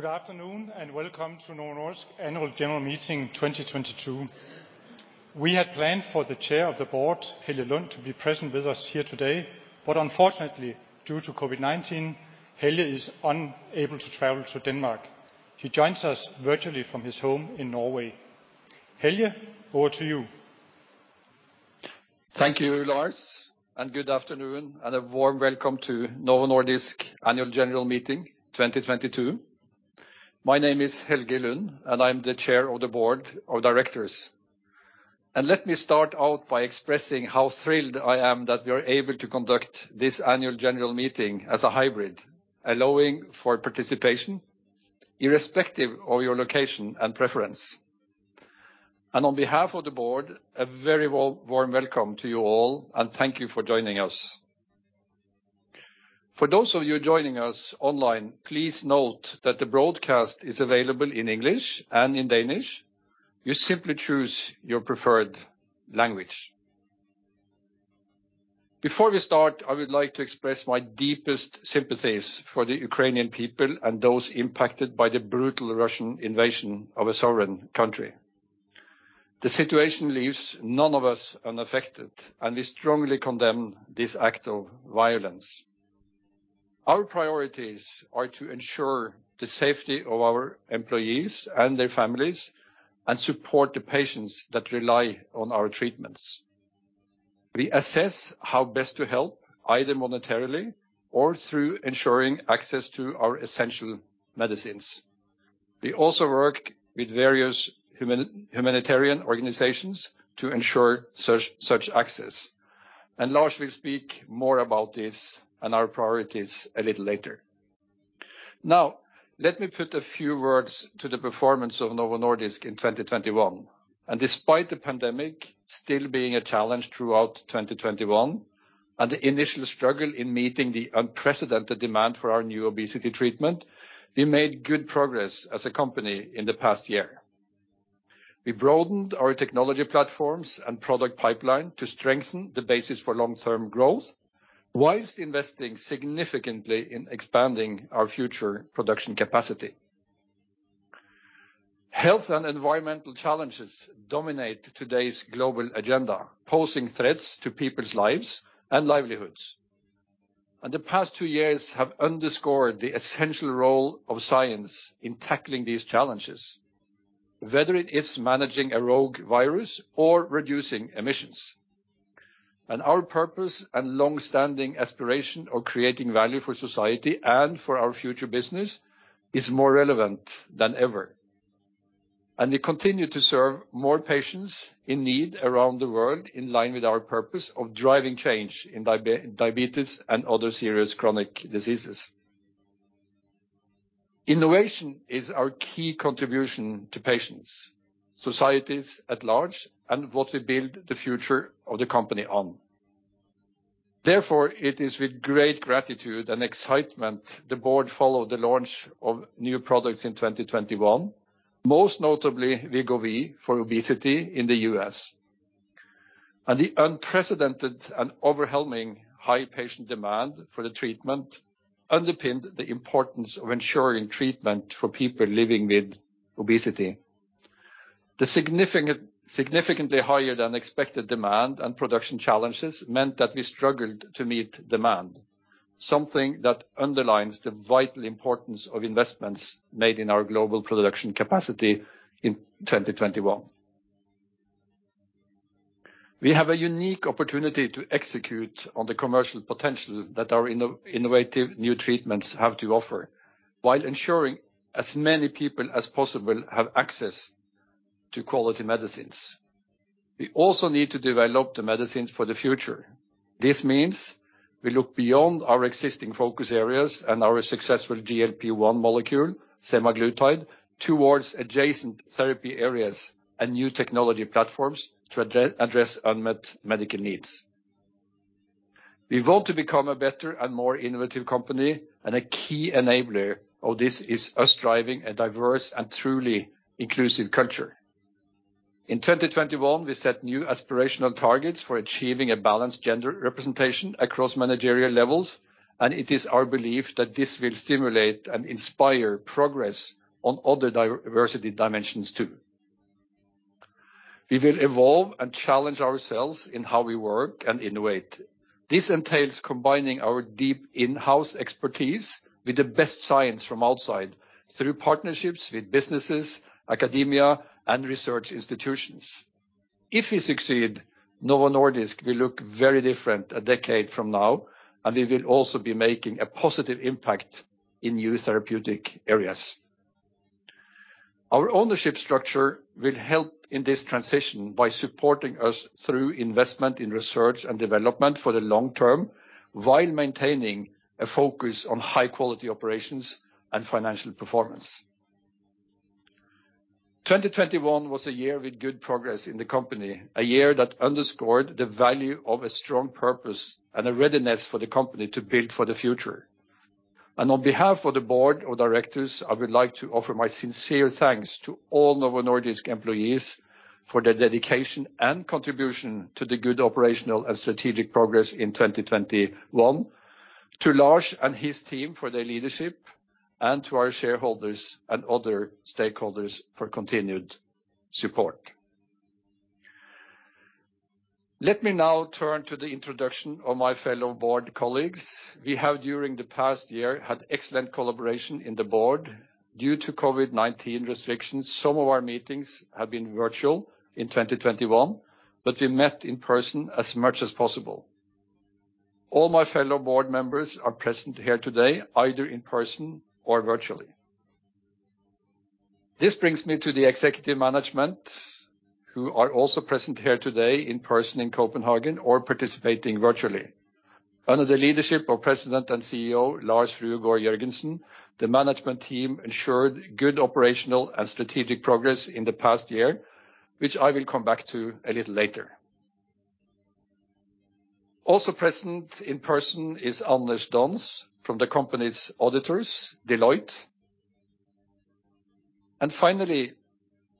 Good afternoon, and welcome to Novo Nordisk Annual General Meeting 2022. We had planned for the Chair of the Board, Helge Lund, to be present with us here today, but unfortunately, due to COVID-19, Helge is unable to travel to Denmark. He joins us virtually from his home in Norway. Helge, over to you. Thank you, Lars, and good afternoon, and a warm welcome to Novo Nordisk Annual General Meeting 2022. My name is Helge Lund, and I'm the Chair of the Board of Directors. Let me start out by expressing how thrilled I am that we are able to conduct this annual general meeting as a hybrid, allowing for participation irrespective of your location and preference. On behalf of the board, a very warm welcome to you all, and thank you for joining us. For those of you joining us online, please note that the broadcast is available in English and in Danish. You simply choose your preferred language. Before we start, I would like to express my deepest sympathies for the Ukrainian people and those impacted by the brutal Russian invasion of a sovereign country. The situation leaves none of us unaffected, and we strongly condemn this act of violence. Our priorities are to ensure the safety of our employees and their families and support the patients that rely on our treatments. We assess how best to help, either monetarily or through ensuring access to our essential medicines. We also work with various humanitarian organizations to ensure such access. Lars will speak more about this and our priorities a little later. Now, let me put a few words to the performance of Novo Nordisk in 2021. Despite the pandemic still being a challenge throughout 2021, and the initial struggle in meeting the unprecedented demand for our new obesity treatment, we made good progress as a company in the past year. We broadened our technology platforms and product pipeline to strengthen the basis for long-term growth while investing significantly in expanding our future production capacity. Health and environmental challenges dominate today's global agenda, posing threats to people's lives and livelihoods. The past two years have underscored the essential role of science in tackling these challenges, whether it is managing a rogue virus or reducing emissions. Our purpose and long-standing aspiration of creating value for society and for our future business is more relevant than ever. We continue to serve more patients in need around the world in line with our purpose of driving change in diabetes and other serious chronic diseases. Innovation is our key contribution to patients, societies at large, and what we build the future of the company on. Therefore, it is with great gratitude and excitement that the Board followed the launch of new products in 2021, most notably Wegovy for obesity in the U.S. The unprecedented and overwhelming high patient demand for the treatment underpinned the importance of ensuring treatment for people living with obesity. Significantly higher than expected demand and production challenges meant that we struggled to meet demand, something that underlines the vital importance of investments made in our global production capacity in 2021. We have a unique opportunity to execute on the commercial potential that our innovative new treatments have to offer while ensuring as many people as possible have access to quality medicines. We also need to develop the medicines for the future. This means we look beyond our existing focus areas and our successful GLP-1 molecule, semaglutide, towards adjacent therapy areas and new technology platforms to address unmet medical needs. We want to become a better and more innovative company, and a key enabler of this is us driving a diverse and truly inclusive culture. In 2021, we set new aspirational targets for achieving a balanced gender representation across managerial levels, and it is our belief that this will stimulate and inspire progress on other diversity dimensions too. We will evolve and challenge ourselves in how we work and innovate. This entails combining our deep in-house expertise with the best science from outside through partnerships with businesses, academia, and research institutions. If we succeed, Novo Nordisk will look very different a decade from now, and we will also be making a positive impact in new therapeutic areas. Our ownership structure will help in this transition by supporting us through investment in research and development for the long term, while maintaining a focus on high-quality operations and financial performance. 2021 was a year with good progress in the company, a year that underscored the value of a strong purpose and a readiness for the company to build for the future. On behalf of the board of directors, I would like to offer my sincere thanks to all Novo Nordisk employees for their dedication and contribution to the good operational and strategic progress in 2021, to Lars and his team for their leadership, and to our shareholders and other stakeholders for continued support. Let me now turn to the introduction of my fellow board colleagues. We have, during the past year, had excellent collaboration in the board. Due to COVID-19 restrictions, some of our meetings have been virtual in 2021, but we met in person as much as possible. All my fellow board members are present here today, either in person or virtually. This brings me to the executive management who are also present here today in person in Copenhagen or participating virtually. Under the leadership of President and CEO Lars Fruergaard Jørgensen, the management team ensured good operational and strategic progress in the past year, which I will come back to a little later. Also present in person is Anders Dons from the company's auditors, Deloitte. Finally,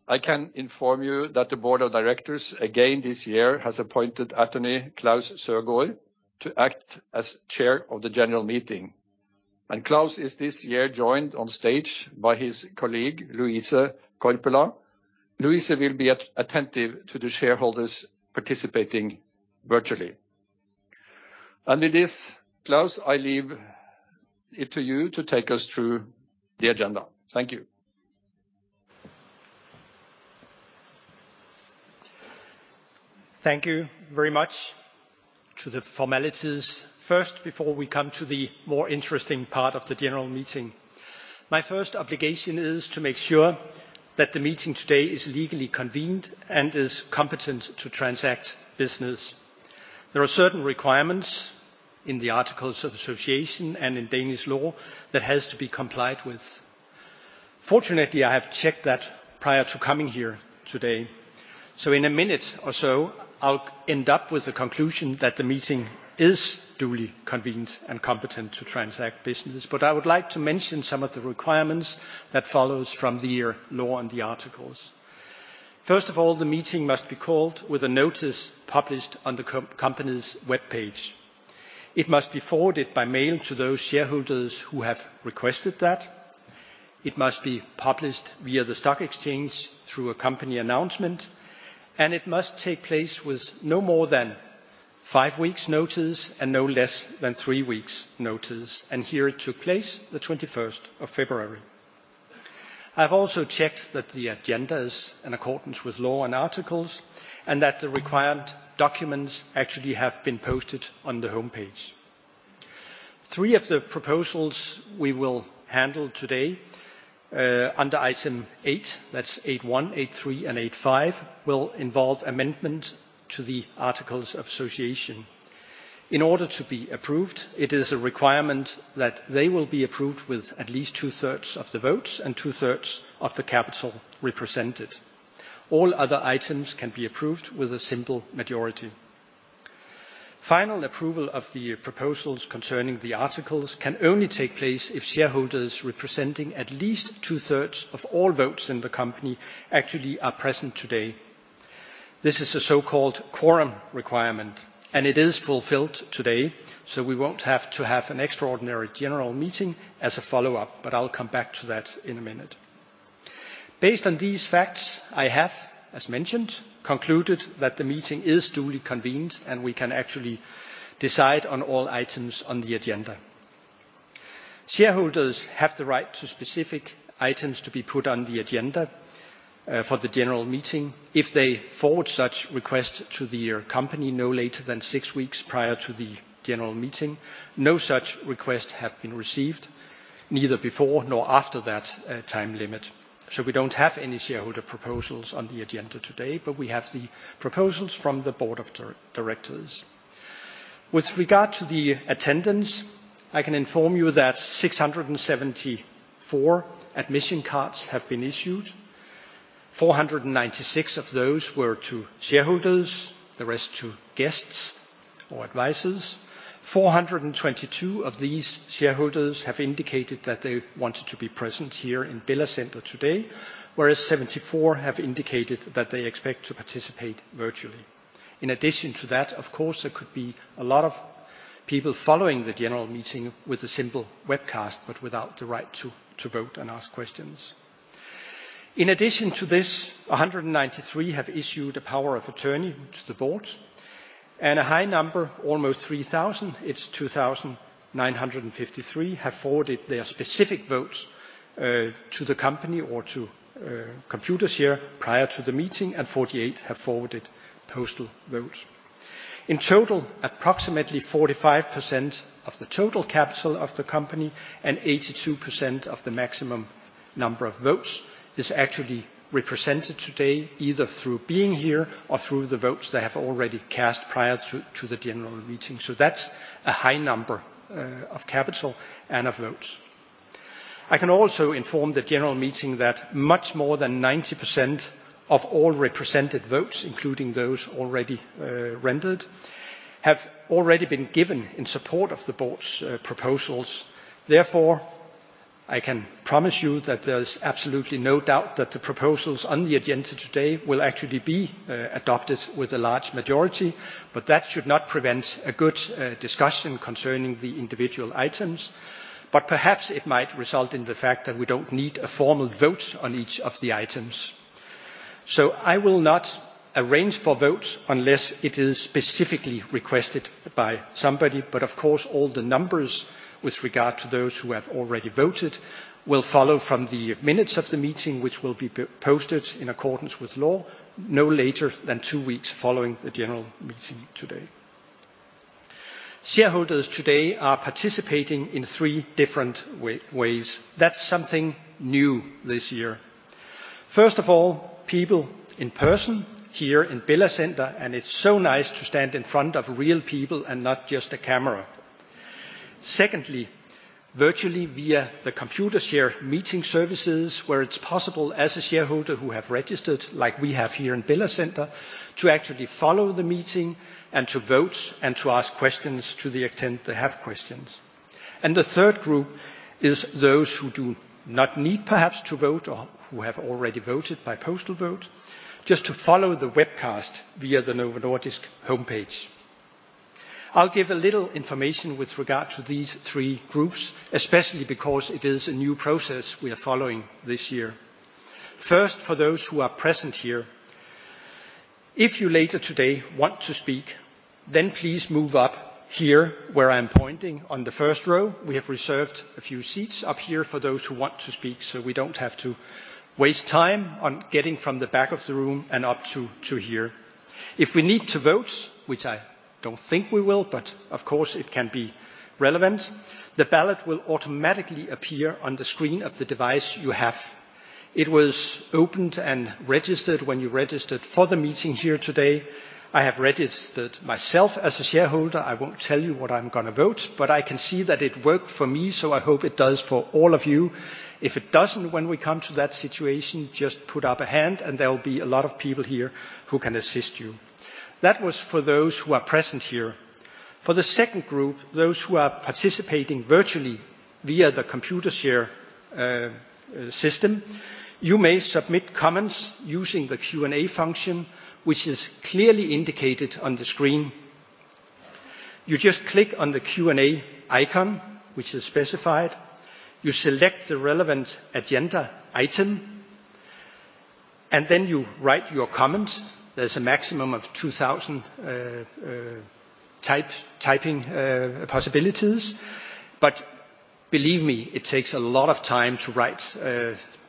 I can inform you that the board of directors again this year has appointed Attorney Klaus Søgaard to act as Chair of the General Meeting. Klaus is this year joined on stage by his colleague, Louise Korpela. Louise will be attentive to the shareholders participating virtually. With this, Klaus, I leave it to you to take us through the agenda. Thank you. Thank you very much. To the formalities first before we come to the more interesting part of the general meeting. My first obligation is to make sure that the meeting today is legally convened and is competent to transact business. There are certain requirements in the articles of association and in Danish law that has to be complied with. Fortunately, I have checked that prior to coming here today. In a minute or so, I'll end up with the conclusion that the meeting is duly convened and competent to transact business. I would like to mention some of the requirements that follows from the law and the articles. First of all, the meeting must be called with a notice published on the company's webpage. It must be forwarded by mail to those shareholders who have requested that. It must be published via the stock exchange through a company announcement, and it must take place with no more than five weeks' notice and no less than three weeks' notice. Here it took place the 21 February. I have also checked that the agenda is in accordance with law and articles and that the required documents actually have been posted on the homepage. Three of the proposals we will handle today under item eight, that's 8.1, 8.3, and 8.5, will involve amendment to the articles of association. In order to be approved, it is a requirement that they will be approved with at least two-thirds of the votes and two-thirds of the capital represented. All other items can be approved with a simple majority. Final approval of the proposals concerning the articles can only take place if shareholders representing at least two-thirds of all votes in the company actually are present today. This is a so-called quorum requirement, and it is fulfilled today, so we won't have to have an extraordinary general meeting as a follow-up. I'll come back to that in a minute. Based on these facts, I have, as mentioned, concluded that the meeting is duly convened and we can actually decide on all items on the agenda. Shareholders have the right to specific items to be put on the agenda for the general meeting if they forward such request to the company no later than six weeks prior to the general meeting. No such requests have been received neither before nor after that time limit. We don't have any shareholder proposals on the agenda today, but we have the proposals from the Board of Directors. With regard to the attendance, I can inform you that 674 admission cards have been issued. 496 of those were to shareholders, the rest to guests or advisors. 422 of these shareholders have indicated that they wanted to be present here in Bella Center today, whereas 74 have indicated that they expect to participate virtually. In addition to that, of course, there could be a lot of people following the general meeting with a simple webcast but without the right to vote and ask questions. In addition to this, 193 have issued a power of attorney to the board, and a high number, almost 3,000, it's 2,953, have forwarded their specific votes to the company or to Computershare prior to the meeting, and 48 have forwarded postal votes. In total, approximately 45% of the total capital of the company and 82% of the maximum number of votes is actually represented today, either through being here or through the votes they have already cast prior to the general meeting. That's a high number of capital and of votes. I can also inform the general meeting that much more than 90% of all represented votes, including those already rendered, have already been given in support of the board's proposals. Therefore, I can promise you that there's absolutely no doubt that the proposals on the agenda today will actually be adopted with a large majority. That should not prevent a good discussion concerning the individual items. Perhaps it might result in the fact that we don't need a formal vote on each of the items. I will not arrange for votes unless it is specifically requested by somebody, but of course, all the numbers with regard to those who have already voted will follow from the minutes of the meeting, which will be posted in accordance with law no later than two weeks following the general meeting today. Shareholders today are participating in three different ways. That's something new this year. First of all, people in person here in Bella Center, and it's so nice to stand in front of real people and not just a camera. Secondly, virtually via the Computershare meeting services, where it's possible as a shareholder who have registered, like we have here in Bella Center, to actually follow the meeting and to vote and to ask questions to the extent they have questions. The third group is those who do not need perhaps to vote or who have already voted by postal vote, just to follow the webcast via the Novo Nordisk homepage. I'll give a little information with regard to these three groups, especially because it is a new process we are following this year. First, for those who are present here. If you later today want to speak, then please move up here where I'm pointing on the first row. We have reserved a few seats up here for those who want to speak so we don't have to waste time on getting from the back of the room and up to here. If we need to vote, which I don't think we will, but of course it can be relevant, the ballot will automatically appear on the screen of the device you have. It was opened and registered when you registered for the meeting here today. I have registered myself as a shareholder. I won't tell you what I'm gonna vote, but I can see that it worked for me, so I hope it does for all of you. If it doesn't when we come to that situation, just put up a hand and there will be a lot of people here who can assist you. That was for those who are present here. For the second group, those who are participating virtually via the Computershare system, you may submit comments using the Q&A function, which is clearly indicated on the screen. You just click on the Q&A icon, which is specified. You select the relevant agenda item, and then you write your comment. There's a maximum of 2000 typing possibilities. But believe me, it takes a lot of time to write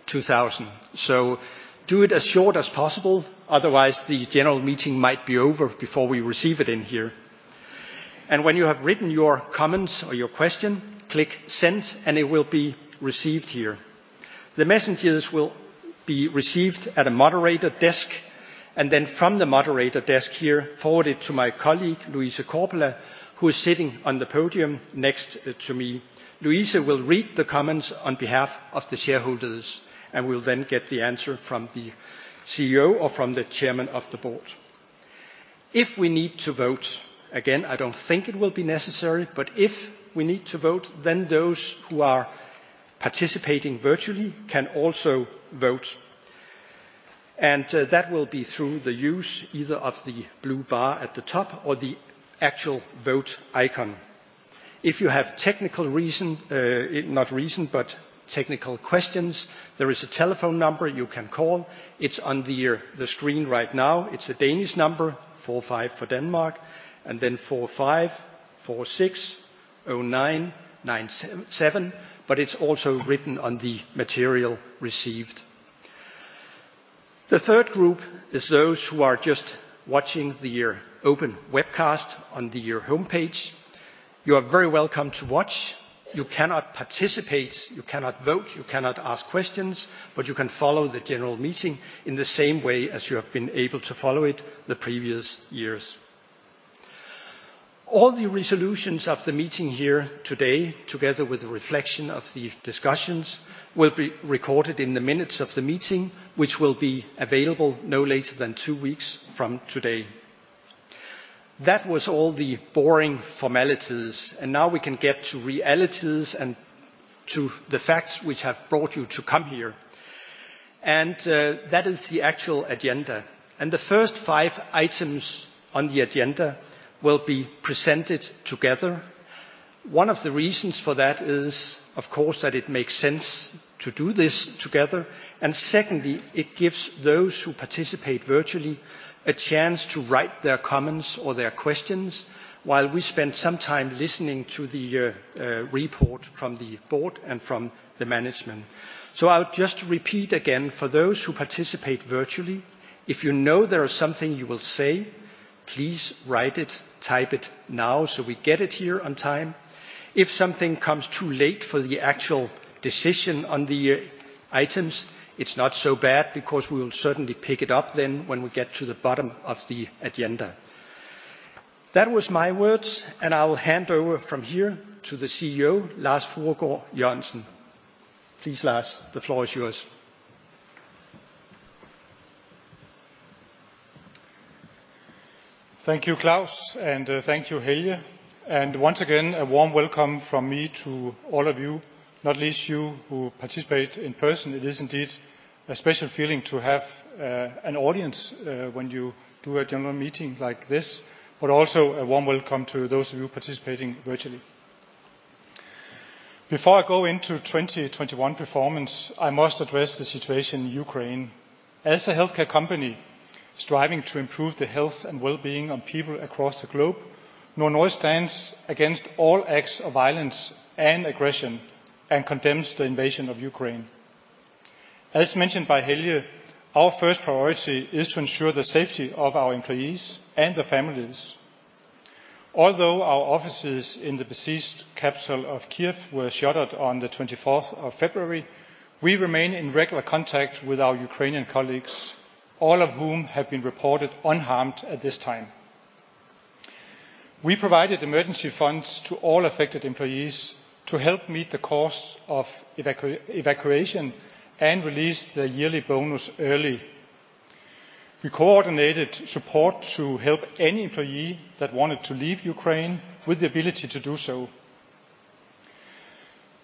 2000. So do it as short as possible. Otherwise, the general meeting might be over before we receive it in here. When you have written your comments or your question, click Send, and it will be received here. The messages will be received at a moderator desk, and then from the moderator desk here, forwarded to my colleague, Louise Korpela, who is sitting on the podium next to me. Louise will read the comments on behalf of the shareholders, and we'll then get the answer from the CEO or from the Chairman of the Board. If we need to vote, again, I don't think it will be necessary, but if we need to vote, then those who are participating virtually can also vote. That will be through the use either of the blue bar at the top or the actual vote icon. If you have technical questions, there is a telephone number you can call. It's on the screen right now. It's a Danish number, +45 45460997, but it's also written on the material received. The third group is those who are just watching the open webcast on the homepage. You are very welcome to watch. You cannot participate, you cannot vote, you cannot ask questions, but you can follow the general meeting in the same way as you have been able to follow it the previous years. All the resolutions of the meeting here today, together with a reflection of the discussions, will be recorded in the minutes of the meeting, which will be available no later than two weeks from today. That was all the boring formalities, and now we can get to realities and to the facts which have brought you to come here, and that is the actual agenda. The first five items on the agenda will be presented together. One of the reasons for that is, of course, that it makes sense to do this together. Secondly, it gives those who participate virtually a chance to write their comments or their questions while we spend some time listening to the report from the board and from the management. I'll just repeat again, for those who participate virtually, if you know there is something you will say, please write it, type it now so we get it here on time. If something comes too late for the actual decision on the items, it's not so bad because we will certainly pick it up then when we get to the bottom of the agenda. That was my words, and I will hand over from here to the CEO, Lars Fruergaard Jørgensen. Please, Lars, the floor is yours. Thank you, Klaus, and thank you, Helge. Once again, a warm welcome from me to all of you. Not least you who participate in person. It is indeed a special feeling to have an audience when you do a general meeting like this. Also a warm welcome to those of you participating virtually. Before I go into 2021 performance, I must address the situation in Ukraine. As a healthcare company striving to improve the health and well-being of people across the globe, Novo Nordisk stands against all acts of violence and aggression, and condemns the invasion of Ukraine. As mentioned by Helge, our first priority is to ensure the safety of our employees and their families. Although our offices in the besieged capital of Kyiv were shuttered on the 24 February, we remain in regular contact with our Ukrainian colleagues, all of whom have been reported unharmed at this time. We provided emergency funds to all affected employees to help meet the cost of evacuation and released their yearly bonus early. We coordinated support to help any employee that wanted to leave Ukraine with the ability to do so.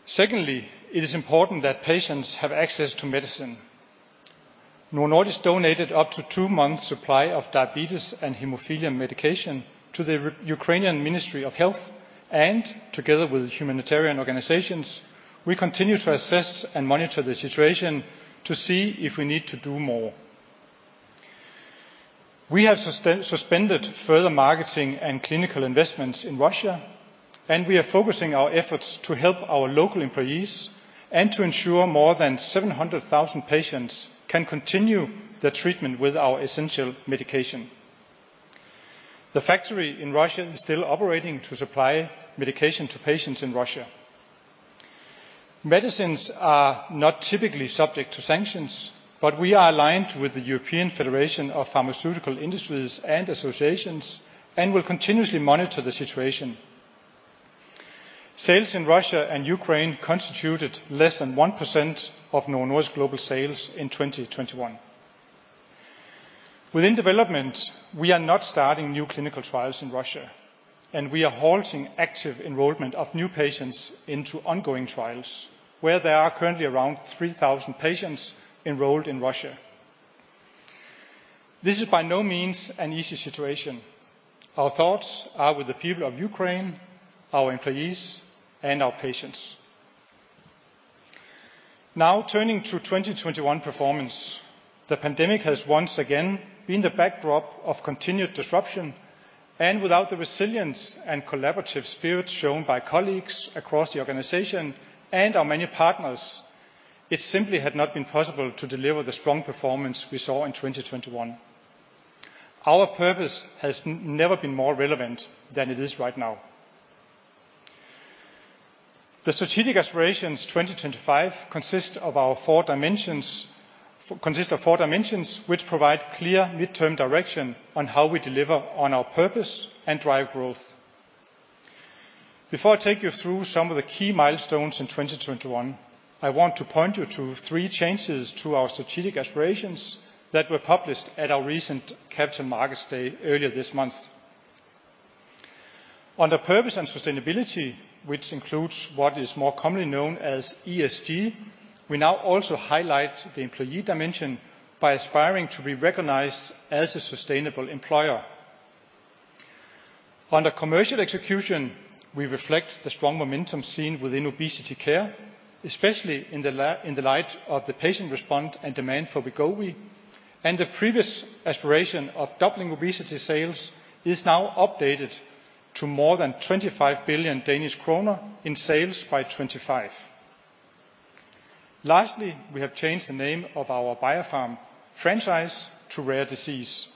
Secondly, it is important that patients have access to medicine. Novo Nordisk donated up to two months' supply of diabetes and hemophilia medication to the Ukrainian Ministry of Health, and together with humanitarian organizations, we continue to assess and monitor the situation to see if we need to do more. We have suspended further marketing and clinical investments in Russia, and we are focusing our efforts to help our local employees and to ensure more than 700,000 patients can continue their treatment with our essential medication. The factory in Russia is still operating to supply medication to patients in Russia. Medicines are not typically subject to sanctions, but we are aligned with the European Federation of Pharmaceutical Industries and Associations, and will continuously monitor the situation. Sales in Russia and Ukraine constituted less than 1% of Novo Nordisk global sales in 2021. Within development, we are not starting new clinical trials in Russia, and we are halting active enrollment of new patients into ongoing trials, where there are currently around 3,000 patients enrolled in Russia. This is by no means an easy situation. Our thoughts are with the people of Ukraine, our employees, and our patients. Now turning to 2021 performance. The pandemic has once again been the backdrop of continued disruption, and without the resilience and collaborative spirit shown by colleagues across the organization and our many partners, it simply had not been possible to deliver the strong performance we saw in 2021. Our purpose has never been more relevant than it is right now. The strategic aspirations 2025 consist of four dimensions which provide clear midterm direction on how we deliver on our purpose and drive growth. Before I take you through some of the key milestones in 2021, I want to point you to three changes to our strategic aspirations that were published at our recent Capital Markets Day earlier this month. Under purpose and sustainability, which includes what is more commonly known as ESG, we now also highlight the employee dimension by aspiring to be recognized as a sustainable employer. Under commercial execution, we reflect the strong momentum seen within obesity care, especially in the light of the patient response and demand for Wegovy, and the previous aspiration of doubling obesity sales is now updated to more than 25 billion Danish kroner in sales by 2025. Lastly, we have changed the name of our Biopharm franchise to Rare Disease.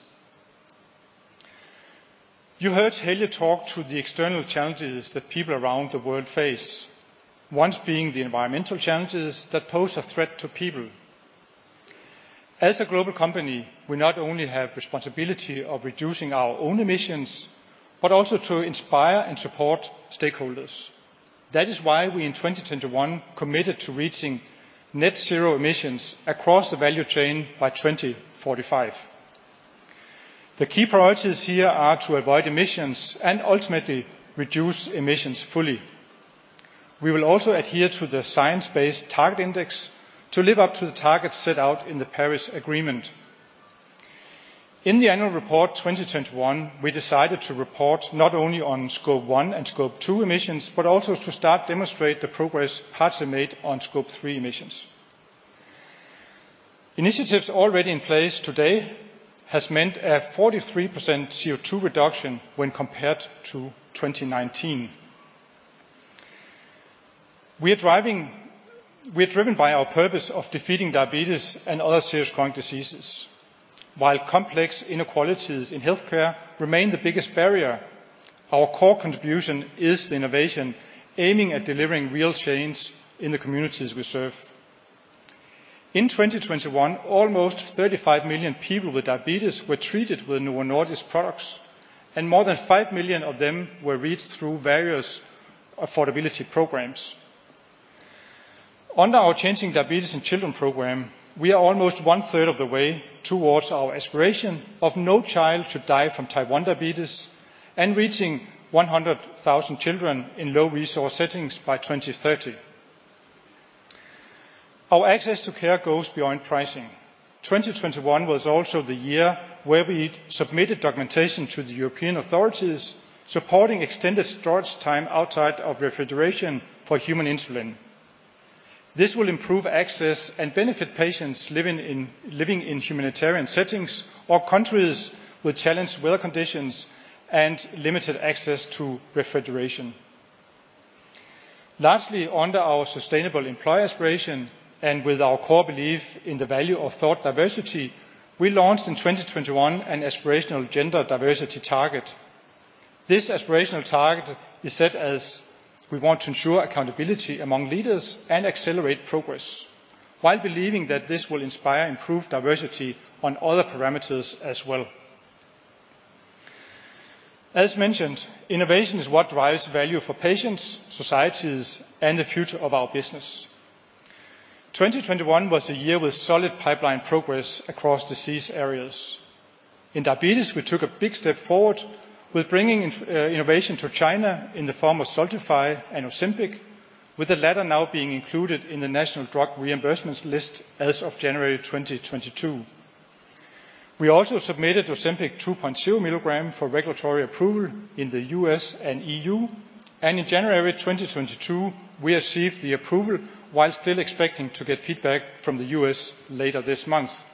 You heard Helge talk about the external challenges that people around the world face, one being the environmental challenges that pose a threat to people. As a global company, we not only have responsibility of reducing our own emissions, but also to inspire and support stakeholders. That is why we in 2021 committed to reaching net zero emissions across the value chain by 2045. The key priorities here are to avoid emissions and ultimately reduce emissions fully. We will also adhere to the Science Based Targets initiative to live up to the targets set out in the Paris Agreement. In the annual report 2021, we decided to report not only on Scope 1 and Scope 2 emissions, but also to start demonstrate the progress partially made on Scope 3 emissions. Initiatives already in place today has meant a 43% CO2 reduction when compared to 2019. We are driven by our purpose of defeating diabetes and other serious chronic diseases. While complex inequalities in healthcare remain the biggest barrier, our core contribution is the innovation aiming at delivering real change in the communities we serve. In 2021, almost 35 million people with diabetes were treated with Novo Nordisk products, and more than 5 million of them were reached through various affordability programs. Under our Changing Diabetes in Children program, we are almost one third of the way towards our aspiration of no child should die from type 1 diabetes and reaching 100,000 children in low-resource settings by 2030. Our access to care goes beyond pricing. 2021 was also the year where we submitted documentation to the European authorities, supporting extended storage time outside of refrigeration for human insulin. This will improve access and benefit patients living in humanitarian settings or countries with challenged weather conditions and limited access to refrigeration. Lastly, under our sustainable employer aspiration, and with our core belief in the value of thought diversity, we launched in 2021 an aspirational gender diversity target. This aspirational target is set as we want to ensure accountability among leaders and accelerate progress, while believing that this will inspire improved diversity on other parameters as well. As mentioned, innovation is what drives value for patients, societies, and the future of our business. 2021 was a year with solid pipeline progress across disease areas. In diabetes, we took a big step forward with bringing innovation to China in the form of Xultophy and Ozempic, with the latter now being included in the national drug reimbursements list as of January 2022. We also submitted Ozempic 2.0 milligram for regulatory approval in the U.S. and EU, and in January 2022, we received the approval, while still expecting to get feedback from the U.S. later this month.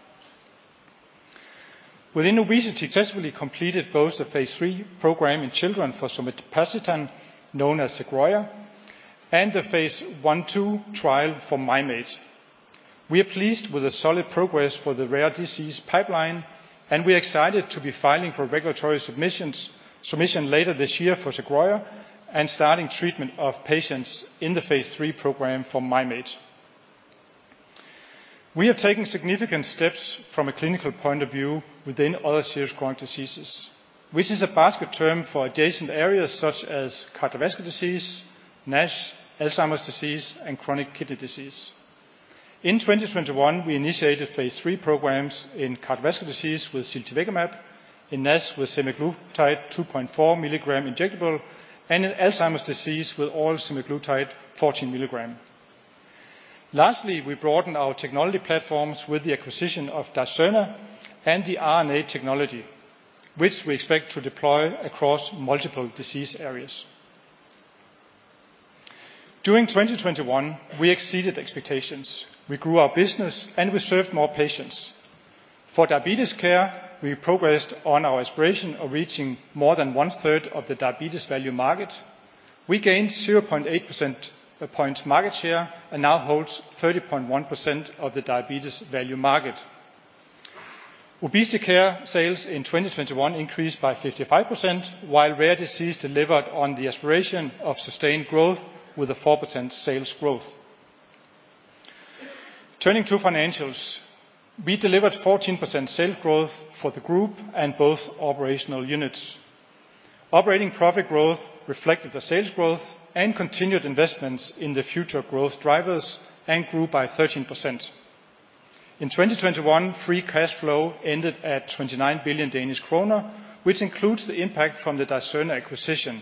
Within obesity, successfully completed both the phase III program in children for semaglutide, known as Sogroya, and the phase I-II trial for mim8. We are pleased with the solid progress for the Rare Disease pipeline, and we're excited to be filing for regulatory submissions, submission later this year for Sogroya and starting treatment of patients in the phase III program for mim8. We have taken significant steps from a clinical point of view within other serious chronic diseases, which is a basket term for adjacent areas such as cardiovascular disease, NASH, Alzheimer's disease, and chronic kidney disease. In 2021, we initiated phase III programs in cardiovascular disease with semaglutide, in NASH with semaglutide 2.4 milligram injectable, and in Alzheimer's disease with oral semaglutide 14 milligram. We broadened our technology platforms with the acquisition of Dicerna and the RNA technology, which we expect to deploy across multiple disease areas. During 2021, we exceeded expectations. We grew our business, and we served more patients. For diabetes care, we progressed on our aspiration of reaching more than one-third of the diabetes value market. We gained 0.8 percentage point market share and now holds 30.1% of the diabetes value market. Obesity care sales in 2021 increased by 55%, while Rare Disease delivered on the aspiration of sustained growth with a 4% sales growth. Turning to financials, we delivered 14% sales growth for the group and both operational units. Operating profit growth reflected the sales growth and continued investments in the future growth drivers and grew by 13%. In 2021, free cash flow ended at 29 billion Danish kroner, which includes the impact from the Dicerna acquisition.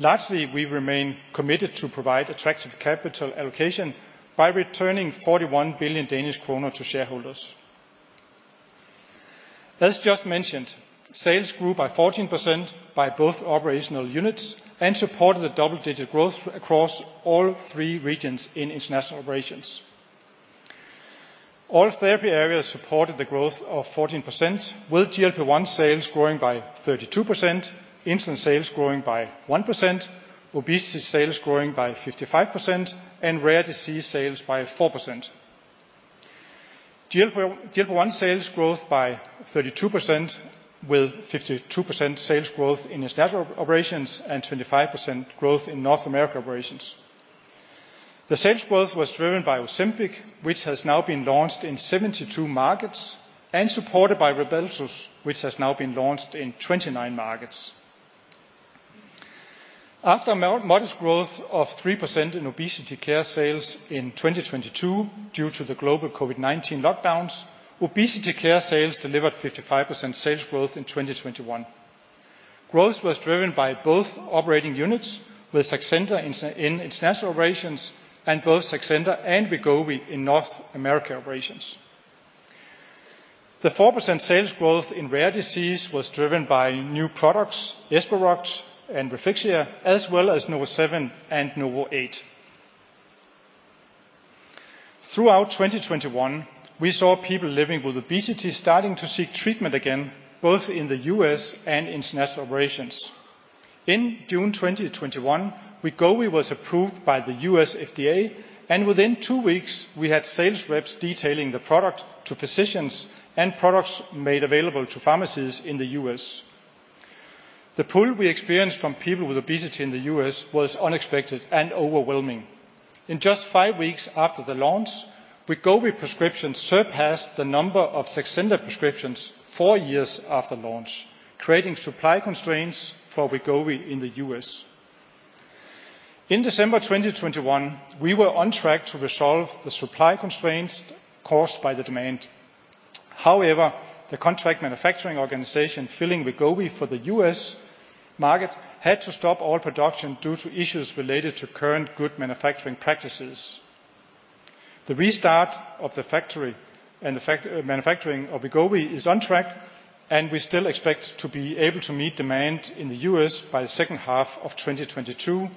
Lastly, we remain committed to provide attractive capital allocation by returning 41 billion Danish kroner to shareholders. As just mentioned, sales grew by 14% in both operational units and supported the double-digit growth across all three regions in international operations. All therapy areas supported the growth of 14%, with GLP-1 sales growing by 32%, insulin sales growing by 1%, obesity sales growing by 55%, and rare disease sales by 4%. GLP-1 sales growth by 32%, with 52% sales growth in international operations and 25% growth in North America operations. The sales growth was driven by Ozempic, which has now been launched in 72 markets, and supported by Rybelsus, which has now been launched in 29 markets. After more modest growth of 3% in obesity care sales in 2022 due to the global COVID-19 lockdowns, obesity care sales delivered 55% sales growth in 2021. Growth was driven by both operating units, with Saxenda in international operations and both Saxenda and Wegovy in North America operations. The 4% sales growth in Rare Disease was driven by new products, Esperoct and Refixia, as well as NovoSeven and NovoEight. Throughout 2021, we saw people living with obesity starting to seek treatment again, both in the U.S. and international operations. In June 2021, Wegovy was approved by the U.S. FDA, and within 2 weeks, we had sales reps detailing the product to physicians and products made available to pharmacies in the U.S. The pull we experienced from people with obesity in the U.S. was unexpected and overwhelming. In just 5 weeks after the launch, Wegovy prescriptions surpassed the number of Saxenda prescriptions 4 years after launch, creating supply constraints for Wegovy in the U.S. In December 2021, we were on track to resolve the supply constraints caused by the demand. However, the contract manufacturing organization filling Wegovy for the U.S. market had to stop all production due to issues related to current good manufacturing practices. The restart of the factory and the manufacturing of Wegovy is on track, and we still expect to be able to meet demand in the U.S. by the second half of 2022,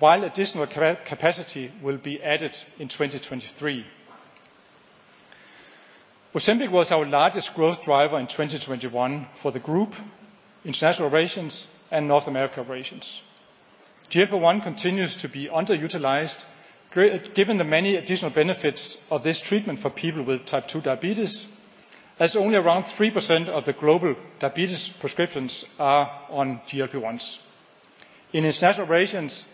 while additional capacity will be added in 2023. Ozempic was our largest growth driver in 2021 for the group, international operations, and North America operations. GLP-1 continues to be underutilized given the many additional benefits of this treatment for people with type 2 diabetes, as only around 3% of the global diabetes prescriptions are on GLP-1s. In international operations,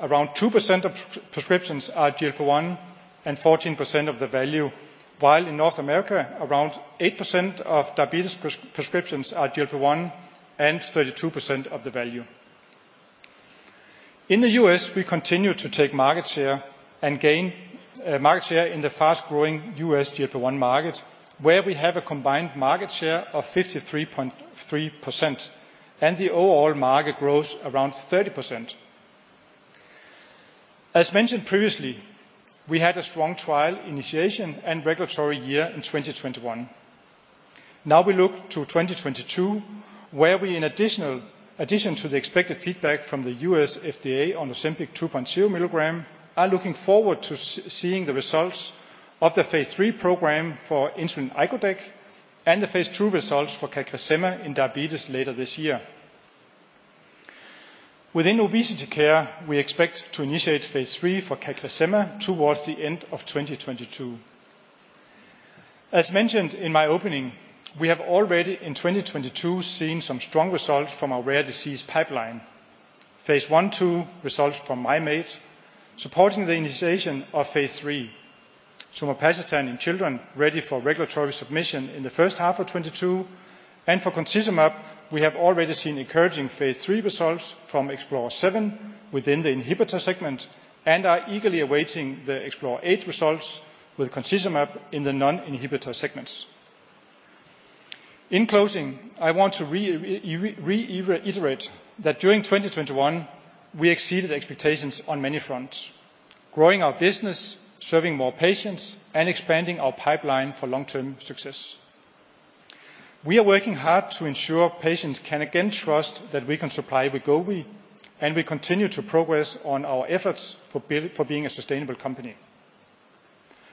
around 2% of prescriptions are GLP-1 and 14% of the value, while in North America around 8% of diabetes prescriptions are GLP-1 and 32% of the value. In the U.S., we continue to take market share and gain market share in the fast-growing U.S. GLP-1 market, where we have a combined market share of 53.3%. The overall market grows around 30%. As mentioned previously, we had a strong trial initiation and regulatory year in 2021. Now we look to 2022, where we in addition to the expected feedback from the U.S. FDA on Ozempic 2.0 milligram are looking forward to seeing the results of the phase III program for insulin icodec, and the phase II results for CagriSema in diabetes later this year. Within obesity care, we expect to initiate phase III for CagriSema towards the end of 2022. As mentioned in my opening, we have already in 2022 seen some strong results from our Rare Disease pipeline. phase I, II results from mim8 supporting the initiation of phase III. Somapacitan in children ready for regulatory submission in the first half of 2022. For concizumab, we have already seen encouraging phase III results from explorer7 within the inhibitor segment, and are eagerly awaiting the explorer8 results with concizumab in the non-inhibitor segments. In closing, I want to reiterate that during 2021, we exceeded expectations on many fronts, growing our business, serving more patients, and expanding our pipeline for long-term success. We are working hard to ensure patients can again trust that we can supply Wegovy, and we continue to progress on our efforts for being a sustainable company.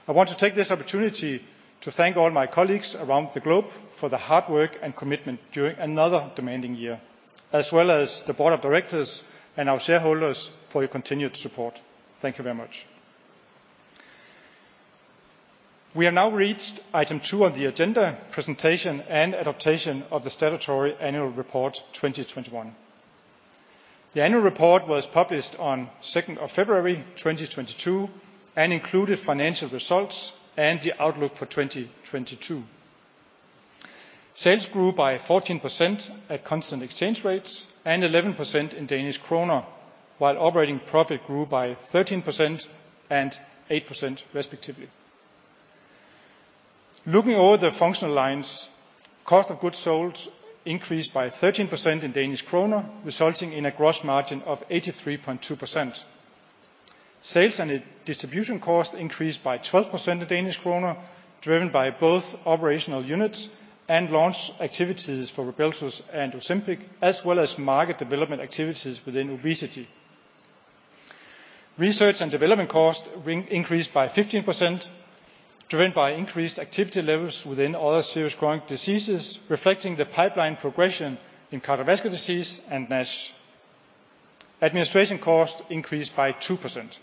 I want to take this opportunity to thank all my colleagues around the globe for the hard work and commitment during another demanding year, as well as the board of directors and our shareholders for your continued support. Thank you very much. We have now reached item two on the agenda, presentation and adoption of the statutory annual report 2021. The annual report was published on 2nd of February, 2022, and included financial results and the outlook for 2022. Sales grew by 14% at constant exchange rates and 11% in Danish kroner, while operating profit grew by 13% and 8% respectively. Looking over the functional lines, cost of goods sold increased by 13% in Danish kroner, resulting in a gross margin of 83.2%. Sales and distribution costs increased by 12% in Danish kroner, driven by both operational units and launch activities for Rybelsus and Ozempic, as well as market development activities within obesity. Research and development costs increased by 15%, driven by increased activity levels within other serious chronic diseases, reflecting the pipeline progression in cardiovascular disease and NASH. Administration costs increased by 2%.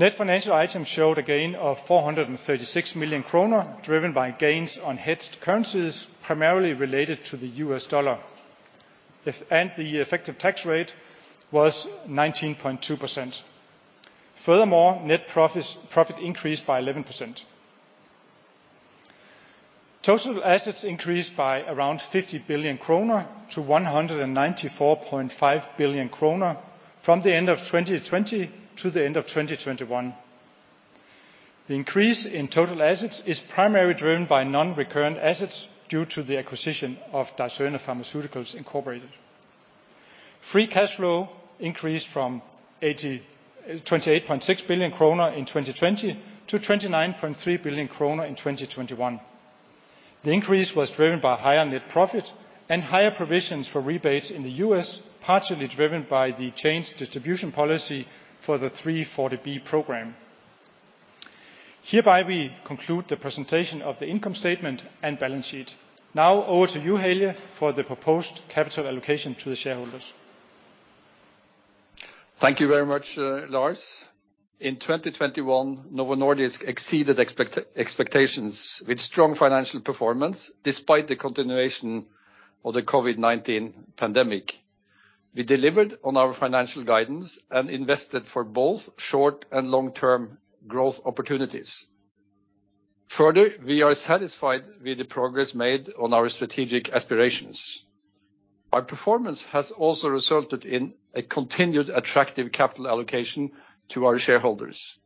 Net financial items showed a gain of 436 million kroner, driven by gains on hedged currencies, primarily related to the U.S. dollar. The effective tax rate was 19.2%. Furthermore, net profit increased by 11%. Total assets increased by around 50 billion kroner to 194.5 billion kroner from the end of 2020 to the end of 2021. The increase in total assets is primarily driven by non-current assets due to the acquisition of Dicerna Pharmaceuticals, Inc. Free cash flow increased from 28.6 billion kroner in 2020 to 29.3 billion kroner in 2021. The increase was driven by higher net profit and higher provisions for rebates in the U.S., partially driven by the changed distribution policy for the 340B program. Hereby we conclude the presentation of the income statement and balance sheet. Now over to you, Helge, for the proposed capital allocation to the shareholders. Thank you very much, Lars. In 2021, Novo Nordisk exceeded expectations with strong financial performance, despite the continuation of the COVID-19 pandemic. We delivered on our financial guidance and invested for both short and long-term growth opportunities. Further, we are satisfied with the progress made on our strategic aspirations. Our performance has also resulted in a continued attractive capital allocation to our shareholders.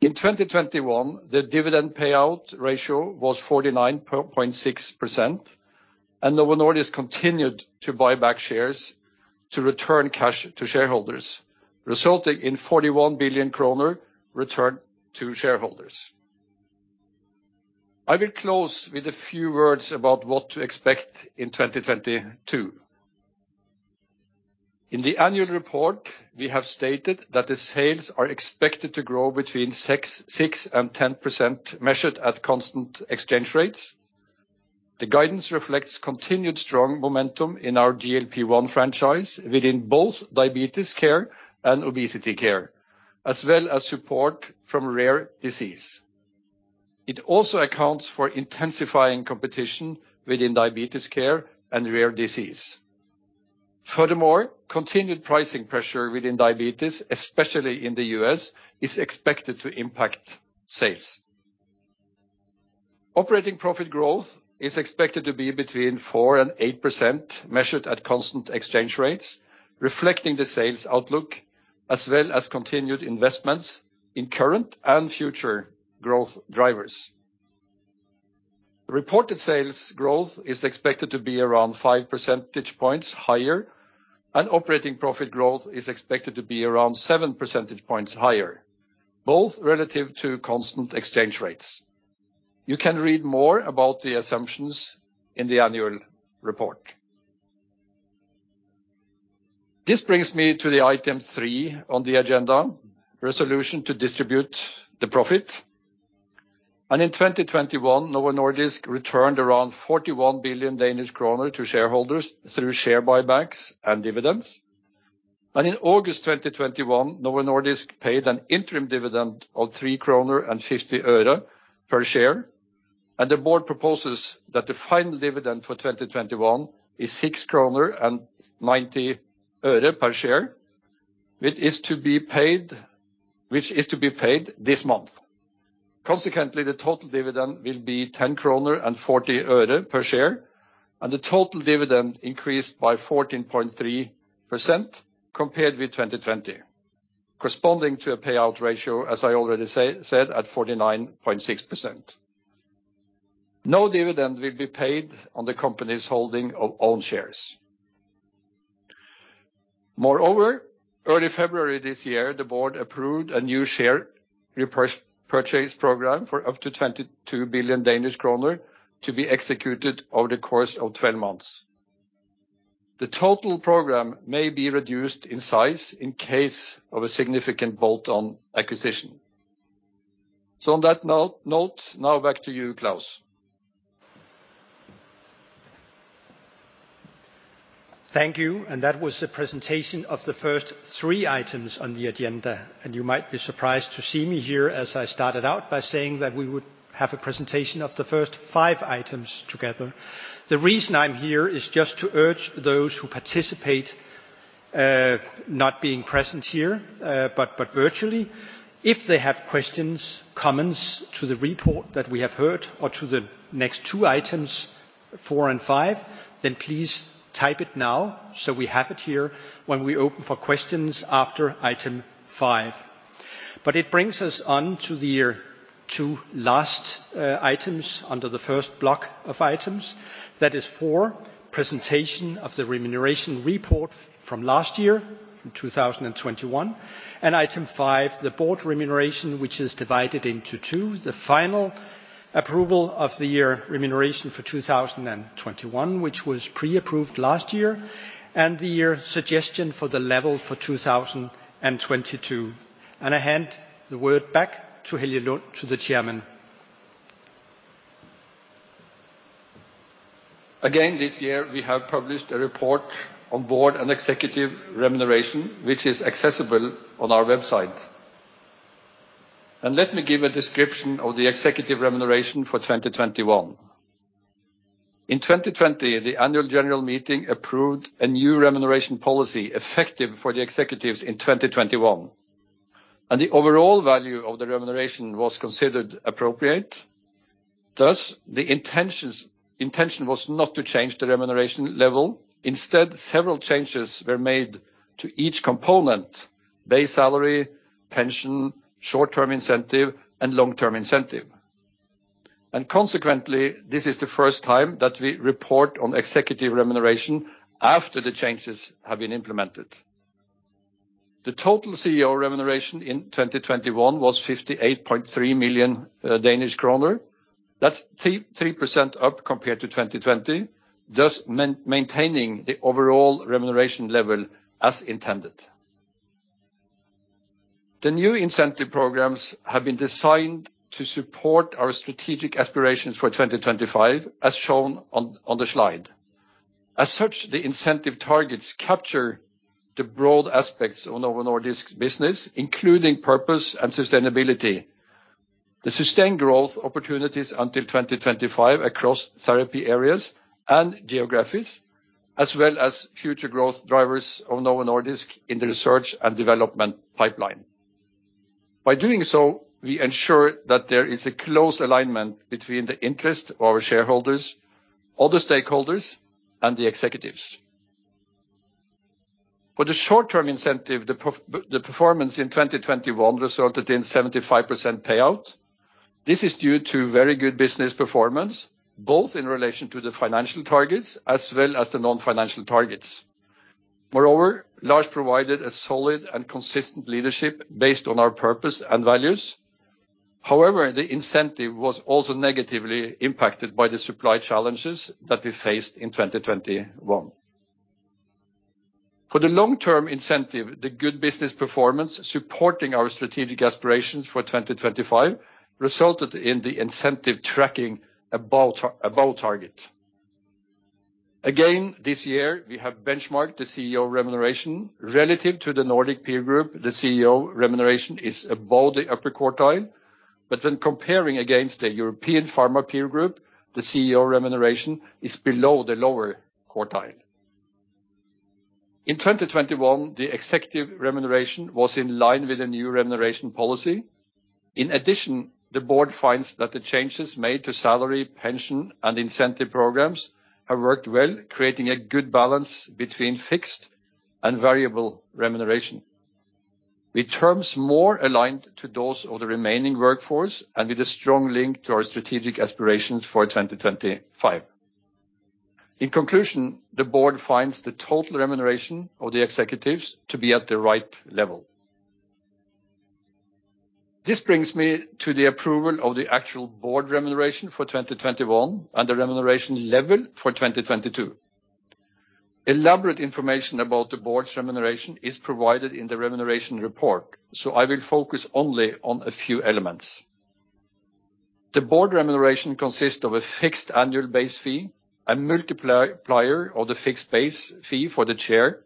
In 2021, the dividend payout ratio was 49.6%, and Novo Nordisk continued to buy back shares to return cash to shareholders, resulting in 41 billion kroner returned to shareholders. I will close with a few words about what to expect in 2022. In the annual report, we have stated that the sales are expected to grow between 6% and 10% measured at constant exchange rates. The guidance reflects continued strong momentum in our GLP-1 franchise within both diabetes care and obesity care, as well as support from Rare Disease. It also accounts for intensifying competition within diabetes care and Rare Disease. Furthermore, continued pricing pressure within diabetes, especially in the U.S., is expected to impact sales. Operating profit growth is expected to be between 4% and 8% measured at constant exchange rates, reflecting the sales outlook as well as continued investments in current and future growth drivers. Reported sales growth is expected to be around 5 percentage points higher, and operating profit growth is expected to be around 7 percentage points higher, both relative to constant exchange rates. You can read more about the assumptions in the annual report. This brings me to item 3 on the agenda, resolution to distribute the profit. In 2021, Novo Nordisk returned around 41 billion Danish kroner to shareholders through share buybacks and dividends. In August 2021, Novo Nordisk paid an interim dividend of DKK 3.50 per share. The board proposes that the final dividend for 2021 is 6.90 kroner per share, which is to be paid this month. Consequently, the total dividend will be DKK 10.40 per share, and the total dividend increased by 14.3% compared with 2020, corresponding to a payout ratio, as I already said, at 49.6%. No dividend will be paid on the company's holding of own shares. Moreover, early February this year, the board approved a new share repurchase program for up to 22 billion Danish kroner to be executed over the course of 12 months. The total program may be reduced in size in case of a significant bolt-on acquisition. On that note, now back to you, Klaus. Thank you. That was the presentation of the first three items on the agenda. You might be surprised to see me here as I started out by saying that we would have a presentation of the first five items together. The reason I'm here is just to urge those who participate, not being present here, but virtually, if they have questions, comments to the report that we have heard or to the next two items, four and five, then please type it now so we have it here when we open for questions after item five. It brings us on to the two last items under the first block of items. That is 4, presentation of the remuneration report from last year in 2021, and item 5, the board remuneration, which is divided into two, the final approval of the year remuneration for 2021, which was pre-approved last year, and the year suggestion for the level for 2022. I hand the word back to Helge Lund, to the chairman. Again, this year, we have published a report on board and executive remuneration, which is accessible on our website. Let me give a description of the executive remuneration for 2021. In 2020, the annual general meeting approved a new remuneration policy effective for the executives in 2021, and the overall value of the remuneration was considered appropriate. Thus, the intention was not to change the remuneration level. Instead, several changes were made to each component, base salary, pension, short-term incentive, and long-term incentive. Consequently, this is the first time that we report on executive remuneration after the changes have been implemented. The total CEO remuneration in 2021 was 58.3 million Danish kroner. That's 3% up compared to 2020, thus maintaining the overall remuneration level as intended. The new incentive programs have been designed to support our strategic aspirations for 2025, as shown on the slide. As such, the incentive targets capture the broad aspects of Novo Nordisk business, including purpose and sustainability, the sustained growth opportunities until 2025 across therapy areas and geographies, as well as future growth drivers of Novo Nordisk in the research and development pipeline. By doing so, we ensure that there is a close alignment between the interest of our shareholders, other stakeholders, and the executives. For the short-term incentive, the performance in 2021 resulted in 75% payout. This is due to very good business performance, both in relation to the financial targets as well as the non-financial targets. Moreover, Lars provided a solid and consistent leadership based on our purpose and values. However, the incentive was also negatively impacted by the supply challenges that we faced in 2021. For the long-term incentive, the good business performance supporting our strategic aspirations for 2025 resulted in the incentive tracking above target. Again, this year we have benchmarked the CEO remuneration relative to the Nordic peer group. The CEO remuneration is above the upper quartile, but when comparing against the European pharma peer group, the CEO remuneration is below the lower quartile. In 2021, the executive remuneration was in line with the new remuneration policy. In addition, the board finds that the changes made to salary, pension, and incentive programs have worked well, creating a good balance between fixed and variable remuneration, with terms more aligned to those of the remaining workforce and with a strong link to our strategic aspirations for 2025. In conclusion, the Board finds the total remuneration of the executives to be at the right level. This brings me to the approval of the actual Board remuneration for 2021 and the remuneration level for 2022. Elaborate information about the Board's remuneration is provided in the remuneration report, so I will focus only on a few elements. The Board remuneration consists of a fixed annual base fee, a multiplier of the fixed base fee for the Chair,